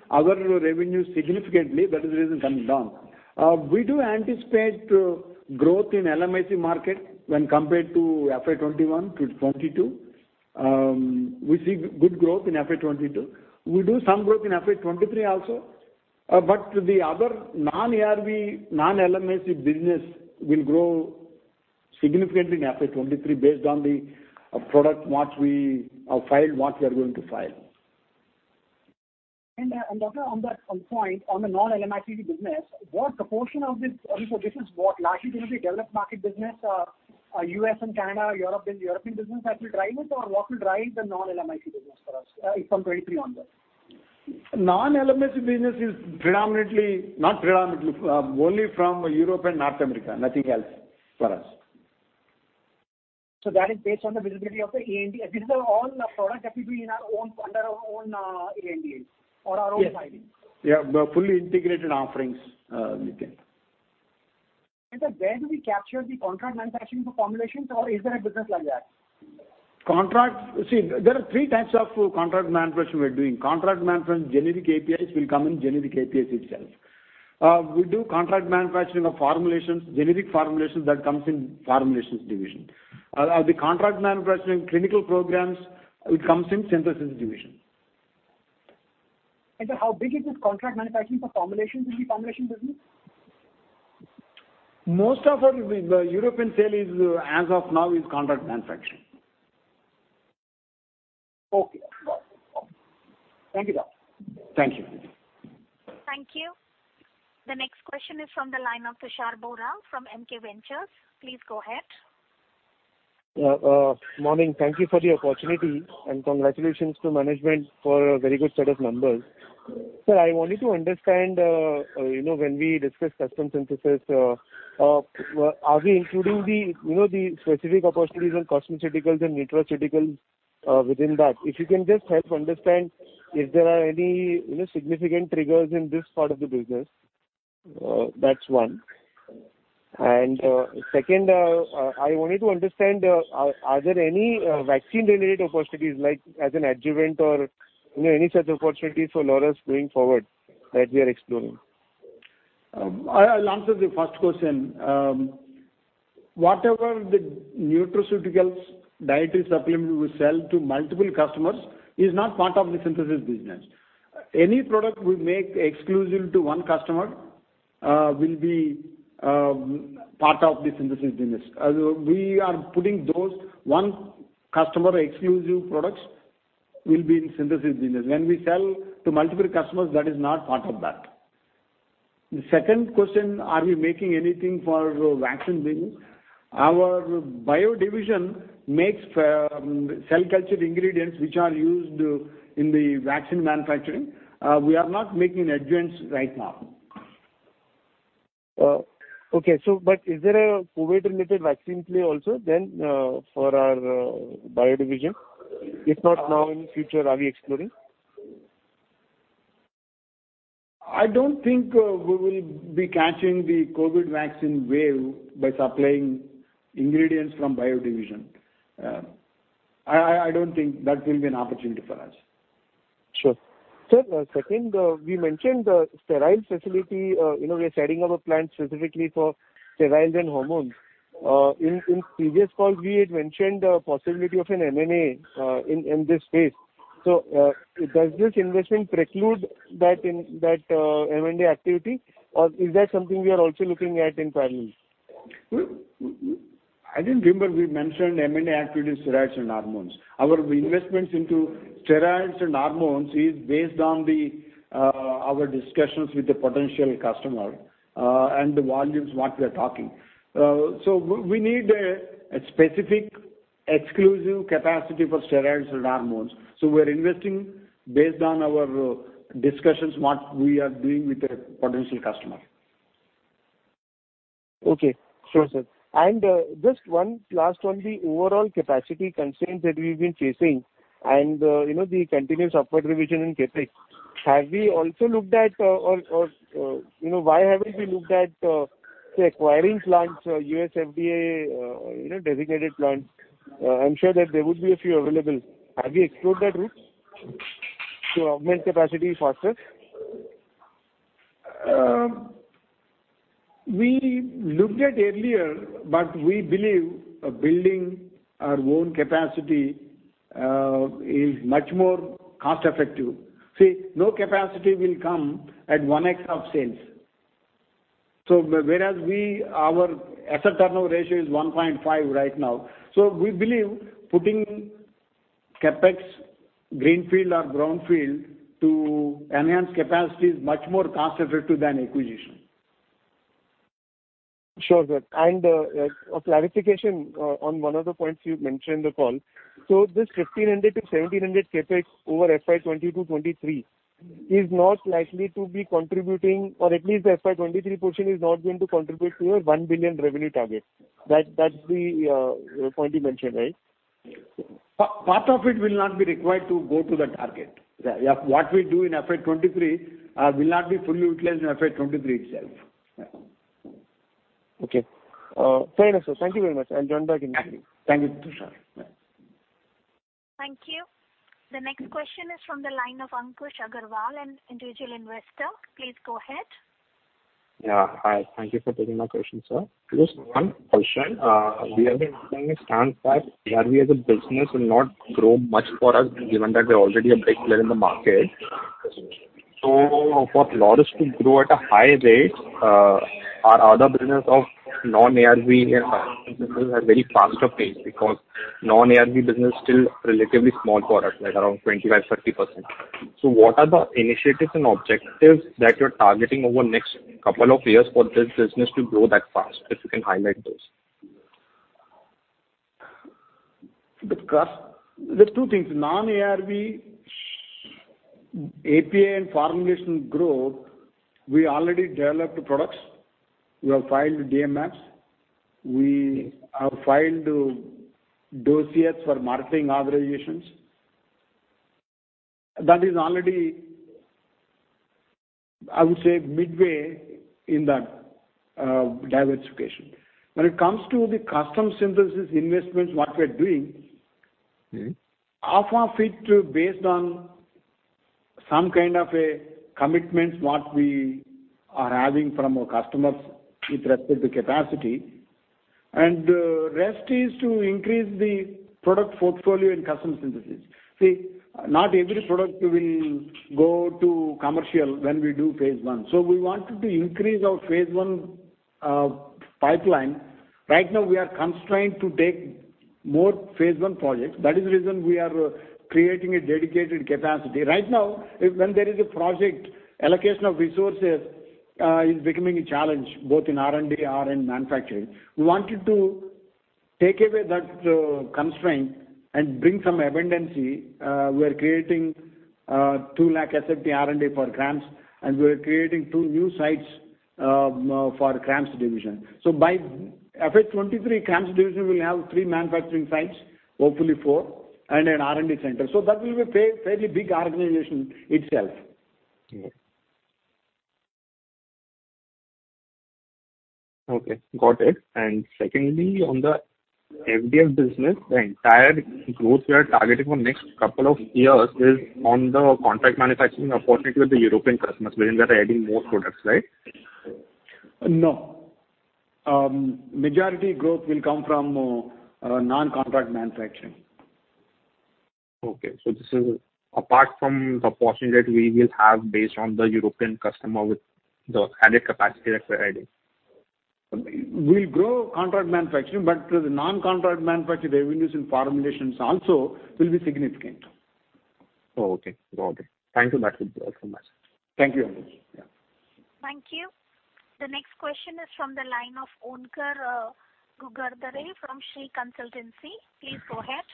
our revenue significantly. That is the reason it's coming down. We do anticipate growth in LMIC market when compared to FY 2021 to 2022. We see good growth in FY 2022. We do some growth in FY 2023 also. The other non-ARV, non-LMIC business will grow significantly in FY 2023 based on the product launch we have filed, what we are going to file. Doctor, on that point, on the non-LMIC business, what proportion of this business, largely going to be developed market business or U.S. and Canada, European business that will drive it? What will drive the non-LMIC business for us from 2023 onwards? Non-LMIC business is only from Europe and North America. Nothing else for us. That is based on the visibility of the ANDA. These are all products that will be under our own ANDA or our own filing. Yes. They are fully integrated offerings we take. Sir, where do we capture the contract manufacturing for formulations, or is there a business like that? There are three types of contract manufacturing we're doing. Contract manufacturing, generic APIs will come in generic APIs itself. We do contract manufacturing of formulations, generic formulations, that comes in formulations division. The contract manufacturing clinical programs, it comes in Synthesis division. Sir, how big is this contract manufacturing for formulations in the formulation business? Most of our European sale, as of now, is contract manufacturing. Okay. Got it. Thank you, sir. Thank you. Thank you. The next question is from the line of Tushar Bohra from MKVentures. Please go ahead. Morning. Thank you for the opportunity, and congratulations to management for a very good set of numbers. Sir, I wanted to understand, when we discuss custom synthesis, are we including the specific opportunities in cosmeceuticals and nutraceuticals within that? If you can just help understand if there are any significant triggers in this part of the business. That's one. Second, I wanted to understand, are there any vaccine-related opportunities, like as an adjuvant or any such opportunities for Laurus going forward that we are exploring? I'll answer the first question. Whatever the nutraceuticals dietary supplement we sell to multiple customers is not part of the Synthesis business. Any product we make exclusive to one customer will be part of the Synthesis business. We are putting those one customer exclusive products will be in Synthesis business. When we sell to multiple customers, that is not part of that. The second question, are we making anything for vaccine business? Our Bio division makes cell culture ingredients which are used in the vaccine manufacturing. We are not making adjuvants right now. Okay. Is there a COVID-related vaccine play also then for our bio division? If not now, in future, are we exploring? I don't think we will be catching the COVID vaccine wave by supplying ingredients from bio division. I don't think that will be an opportunity for us. Sure. Sir, second, we mentioned the sterile facility. We are setting up a plant specifically for steriles and hormones. In previous calls, we had mentioned the possibility of an M&A in this space. Does this investment preclude that M&A activity, or is that something we are also looking at in parallel? I didn't remember we mentioned M&A activity in steriles and hormones. Our investments into steriles and hormones is based on our discussions with the potential customer and the volumes, what we're talking. We need a specific exclusive capacity for steriles and hormones. We're investing based on our discussions, what we are doing with a potential customer. Okay. Sure, sir. Just one last on the overall capacity constraints that we've been facing and the continuous upward revision in CapEx, why haven't we looked at, say, acquiring plants, U.S. FDA-designated plants? I'm sure that there would be a few available. Have we explored that route to augment capacity faster? We looked at earlier. We believe building our own capacity is much more cost-effective. See, no capacity will come at 1x of sales. Whereas our asset turnover ratio is 1.5 right now. We believe putting CapEx, greenfield or brownfield, to enhance capacity is much more cost-effective than acquisition. Sure, sir. A clarification on one of the points you mentioned in the call. This 1,500-1,700 CapEx over FY 2020-2023 is not likely to be contributing, or at least the FY 2023 portion is not going to contribute to your 1 billion revenue target. That's the point you mentioned, right? Part of it will not be required to go to the target. What we do in FY 2023 will not be fully utilized in FY 2023 itself. Okay. Fair enough, sir. Thank you very much. I'll join back in the queue. Thank you, Tushar. Thank you. The next question is from the line of Ankush Aggarwal, an individual investor. Please go ahead. Yeah. Hi. Thank you for taking my question, sir. Just one question. We have been taking a stance that ARV as a business will not grow much for us, given that we're already a big player in the market. For Laurus to grow at a high rate, our other business of non-ARV and business at very faster pace, because non-ARV business still relatively small for us, like around 25%, 30%. What are the initiatives and objectives that you're targeting over next couple of years for this business to grow that fast? If you can highlight those. There are two things. Non-ARV API and formulation growth, we already developed the products. We have filed DMF. We have filed dossiers for marketing authorizations. That is already, I would say, midway in that diversification. When it comes to the custom synthesis investment in what we are doing, half of it based on some kind of a commitments what we are having from our customers with respect to capacity, and the rest is to increase the product portfolio in custom synthesis. Not every product will go to commercial when we do phase I. We wanted to increase our phase I pipeline. Right now, we are constrained to take more phase I projects. That is the reason we are creating a dedicated capacity. Right now, when there is a project, allocation of resources is becoming a challenge, both in R&D and in manufacturing. We wanted to take away that constraint and bring some abundancy. We are creating 2 lakh SFT R&D for CRAMS, and we are creating two new sites for the CRAMS division. By FY 2023, CRAMS division will have three manufacturing sites, hopefully four, and an R&D center. That will be a fairly big organization itself. Okay, got it. Secondly, on the FDF business, the entire growth we are targeting for next couple of years is on the contract manufacturing or possibly with the European customers wherein we are adding more products, right? No. Majority growth will come from non-contract manufacturing. Okay, this is apart from the portion that we will have based on the European customer with the added capacity that we're adding. We'll grow contract manufacturing, but the non-contract manufacturing revenues in formulations also will be significant. Oh, okay. Got it. Thank you much. Thank you so much. Thank you. Thank you. The next question is from the line of Onkar Ghugardare from Shree Consultancy. Please go ahead.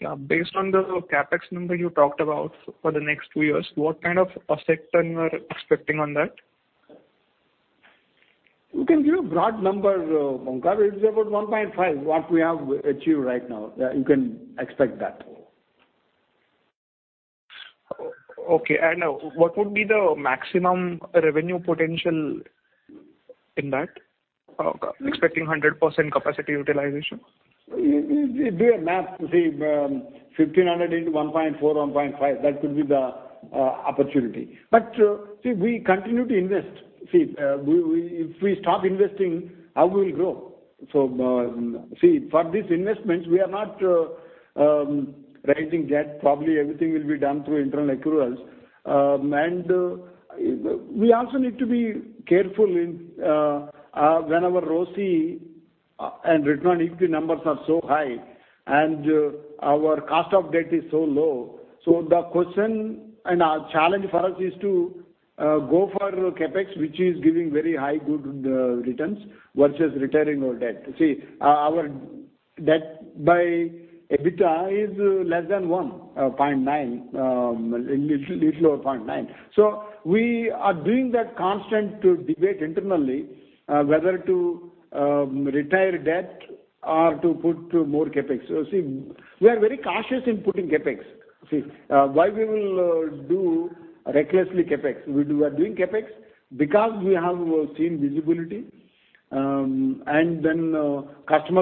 Yeah. Based on the CapEx number you talked about for the next two years, what kind of a return you are expecting on that? We can give a broad number, Onkar. It's about 1.5, what we have achieved right now. You can expect that. Okay. What would be the maximum revenue potential in that? Expecting 100% capacity utilization. Do a math. See, 1,500 into 1.4, 1.5, that could be the opportunity. We continue to invest. If we stop investing, how we will grow? For these investments, we are not raising debt. Probably everything will be done through internal accruals. We also need to be careful when our ROCE and return on equity numbers are so high and our cost of debt is so low. The question and challenge for us is to go for CapEx, which is giving very high, good returns versus retiring our debt. See, our debt by EBITDA is less than one, 0.9. Little over 0.9. We are doing that constant debate internally, whether to retire debt or to put more CapEx. We are very cautious in putting CapEx. See, why we will do recklessly CapEx? We are doing CapEx because we have seen visibility, customers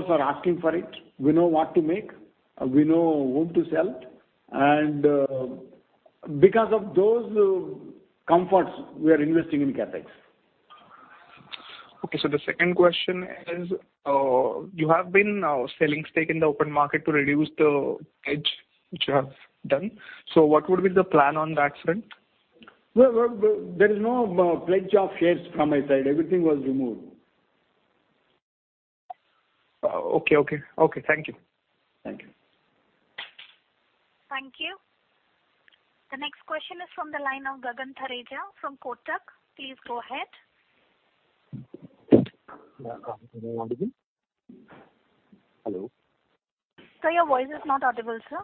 are asking for it. We know what to make. We know whom to sell. Because of those comforts, we are investing in CapEx. Okay. The second question is, you have been selling stake in the open market to reduce the edge, which you have done. What would be the plan on that front? There is no pledge of shares from my side. Everything was removed. Okay. Thank you. Thank you. Thank you. The next question is from the line of Gagan Thareja from Kotak. Please go ahead. Am I audible? Hello? Sir, your voice is not audible, sir.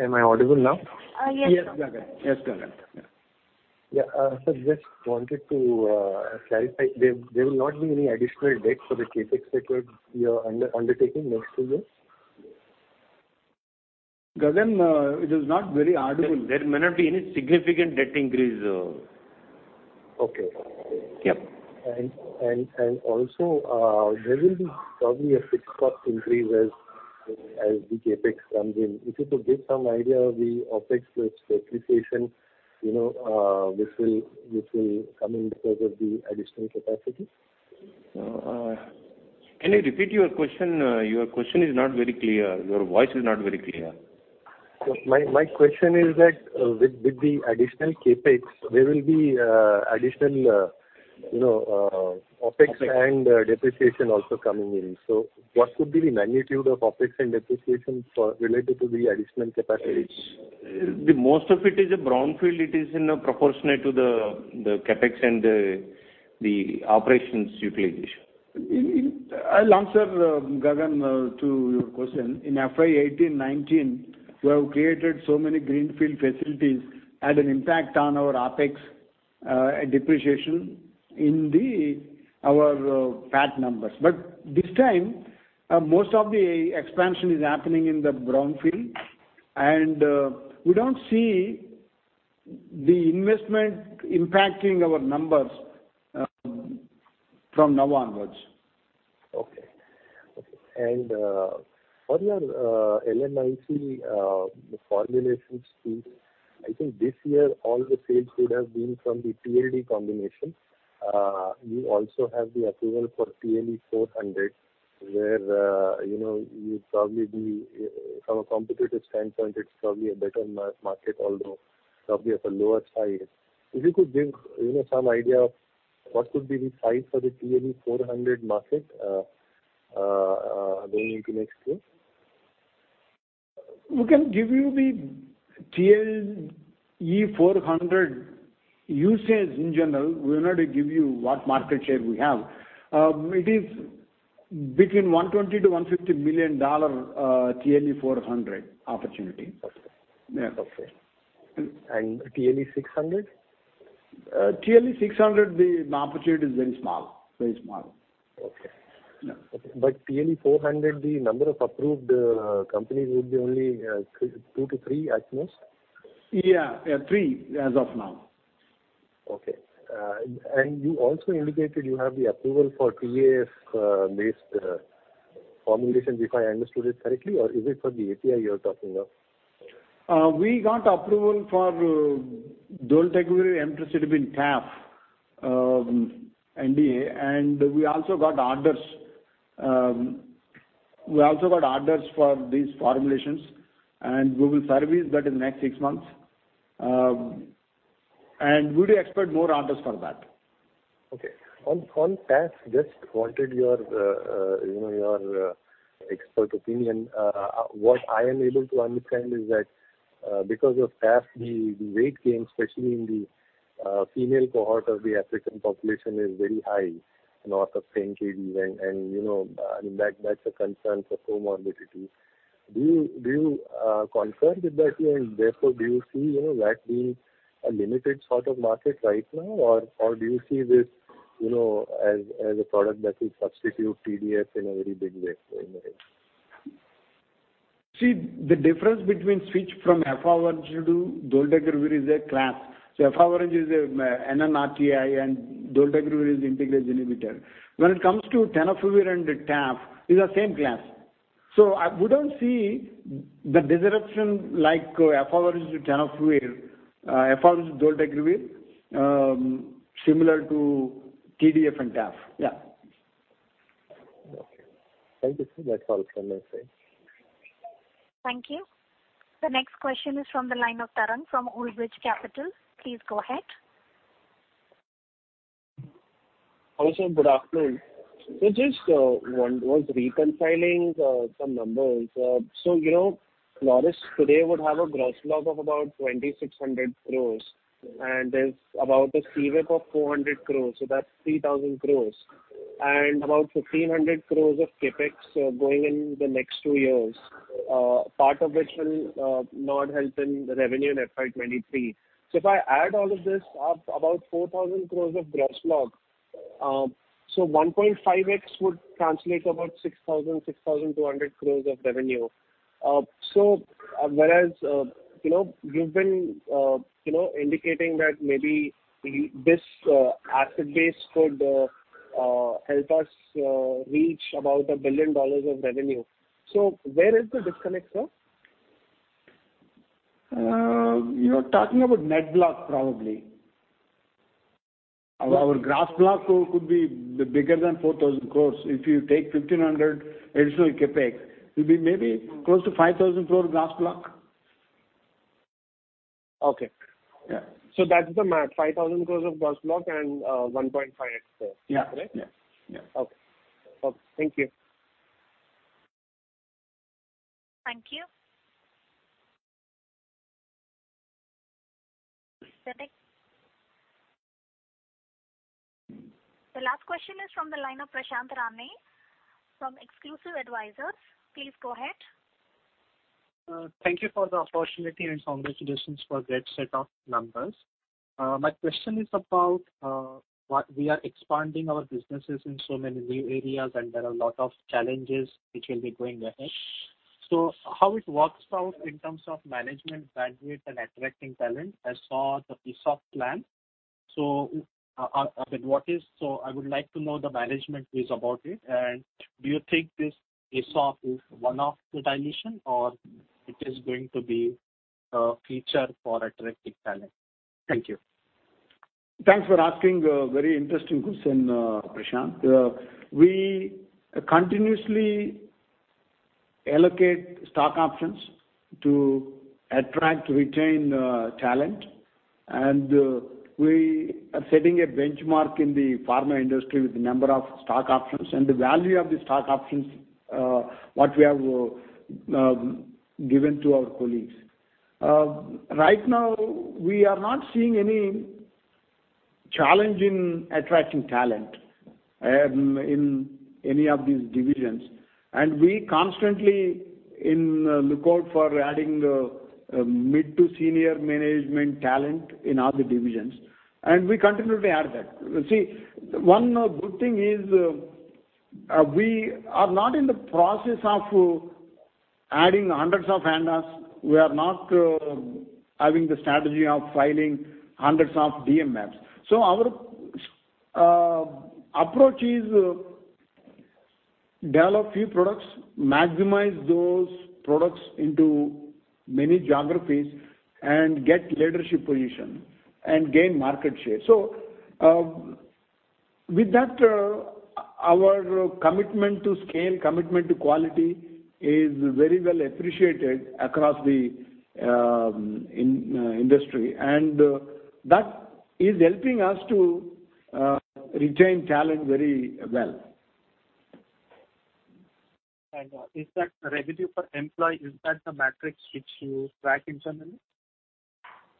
Am I audible now? Yes. Yes, Gagan. Yeah. Sir, just wanted to clarify. There will not be any additional debt for the CapEx that you are undertaking next two years? Gagan, it is not very audible. There may not be any significant debt increase. Okay. Yep. Also, there will be probably a fixed cost increase as the CapEx comes in. If you could give some idea of the OpEx with depreciation which will come in because of the additional capacity? Can you repeat your question? Your question is not very clear. Your voice is not very clear. My question is that with the additional CapEx, there will be additional OpEx and depreciation also coming in. What could be the magnitude of OpEx and depreciation related to the additional capacity? The most of it is a brownfield. It is in a proportionate to the CapEx and the operations utilization. I'll answer, Gagan, to your question. In FY 2018, 2019, we have created so many greenfield facilities had an impact on our OpEx, depreciation in our PAT numbers. This time, most of the expansion is happening in the brownfield, and we don't see the investment impacting our numbers from now onwards. Okay. For your LMIC formulation suite, I think this year all the sales could have been from the TLE combination. You also have the approval for TLE 400, where from a competitive standpoint, it's probably a better market, although probably of a lower size. If you could give some idea of what could be the size for the TLE 400 market going into next year. We can give you the TLE 400 usage in general. We will not give you what market share we have. It is between $120 million-$150 million TLE 400 opportunity. Okay. Yeah. Okay. TLE 600? TLE 600, the opportunity is very small. Okay. Yeah. TLE 400, the number of approved companies would be only two to three at most? Yeah. Three as of now. Okay. You also indicated you have the approval for TAF-based formulations, if I understood it correctly, or is it for the API you are talking of? We got approval for dolutegravir/emtricitabine TAF NDA, and we also got orders. We also got orders for these formulations, and we will service that in the next six months. We do expect more orders for that. Okay. On TAF, just wanted your expert opinion. What I am able to understand is that because of TAF, the weight gain, especially in the female cohort of the African population is very high, north of 10 kgs. That's a concern for comorbidities. Do you confirm that? Therefore, do you see that being a limited sort of market right now, or do you see this as a product that will substitute TDF in a very big way going ahead? See, the difference between switch from efavirenz to dolutegravir is a class. Efavirenz is a NNRTI and dolutegravir is integrase inhibitor. When it comes to tenofovir and TAF, these are same class. We don't see the disruption like efavirenz to tenofovir, efavirenz to dolutegravir similar to TDF and TAF. Yeah. Okay. Thank you, sir. That's all from my side. Thank you. The next question is from the line of Tarang from Old Bridge Capital. Please go ahead. Hello, sir. Good afternoon. Just was reconciling some numbers. Laurus today would have a gross block of about 2,600 crores, and there's about a CWIP of 400 crores, so that's 3,000 crores. About 1,500 crores of CapEx going in the next two years, part of which will not help in revenue in FY 2023. If I add all of this up, about 4,000 crores of gross block. 1.5x would translate about 6,000 crores-6,200 crores of revenue. Whereas you've been indicating that maybe this asset base could help us reach about INR 1 billion of revenue. Where is the disconnect, sir? You're talking about net block probably. Our gross block could be bigger than 4,000 crores. If you take 1,500 additional CapEx, it'll be maybe close to 5,000 crore gross block. Okay. Yeah. That's the math, 5,000 crores of gross block and 1.5x. Yeah. Correct? Yeah. Okay. Thank you. Thank you. The last question is from the line of Prashant Rane from Exclusive Advisors. Please go ahead. Thank you for the opportunity and congratulations for great set of numbers. My question is about what we are expanding our businesses in so many new areas, and there are a lot of challenges which will be going ahead. How it works out in terms of management bandwidth and attracting talent. I saw the ESOP plan. I would like to know the management views about it. Do you think this ESOP is one-off to dilution or it is going to be a feature for attracting talent? Thank you. Thanks for asking a very interesting question, Prashant. We continuously allocate stock options to attract, retain talent. We are setting a benchmark in the pharma industry with the number of stock options and the value of the stock options, what we have given to our colleagues. Right now, we are not seeing any challenge in attracting talent in any of these divisions. We constantly in lookout for adding mid to senior management talent in all the divisions, and we continue to add that. See, one good thing is, we are not in the process of adding hundreds of ANDAs. We are not having the strategy of filing hundreds of DMFs. Our approach is develop few products, maximize those products into many geographies and get leadership position and gain market share. With that, our commitment to scale, commitment to quality is very well appreciated across the industry, and that is helping us to retain talent very well. Is that revenue per employee, is that the metric which you track internally?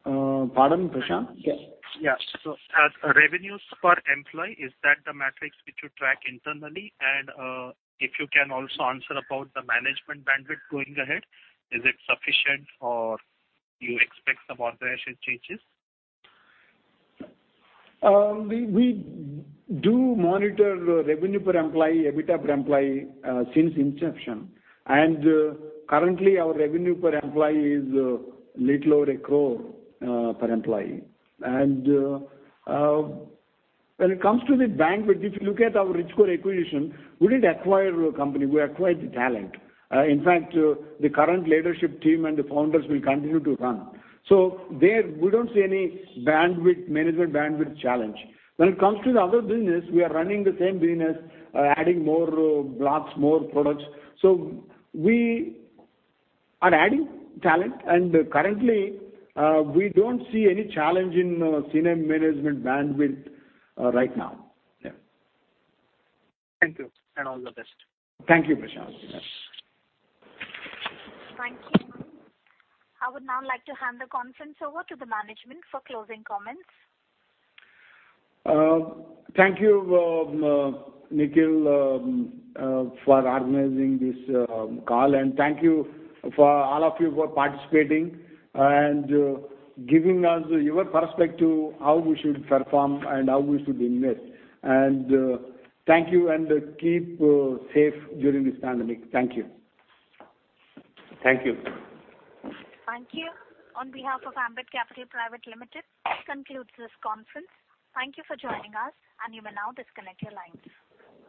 Pardon, Prashant? Yeah. Revenues per employee, is that the metric which you track internally? If you can also answer about the management bandwidth going ahead, is it sufficient or you expect some organization changes? We do monitor revenue per employee, EBITDA per employee, since inception. Currently, our revenue per employee is little over a crore per employee. When it comes to the bandwidth, if you look at our Richcore acquisition, we didn't acquire a company, we acquired the talent. In fact, the current leadership team and the founders will continue to run. There, we don't see any management bandwidth challenge. When it comes to the other business, we are running the same business, adding more blocks, more products. We are adding talent. Currently, we don't see any challenge in senior management bandwidth right now. Yeah. Thank you. All the best. Thank you, Prashant. Yes. Thank you. I would now like to hand the conference over to the management for closing comments. Thank you, Nikhil, for organizing this call, and thank you all of you for participating and giving us your perspective how we should perform and how we should invest. Thank you, and keep safe during this pandemic. Thank you. Thank you. Thank you. On behalf of Ambit Capital Private Limited, this concludes this conference. Thank you for joining us, and you may now disconnect your lines.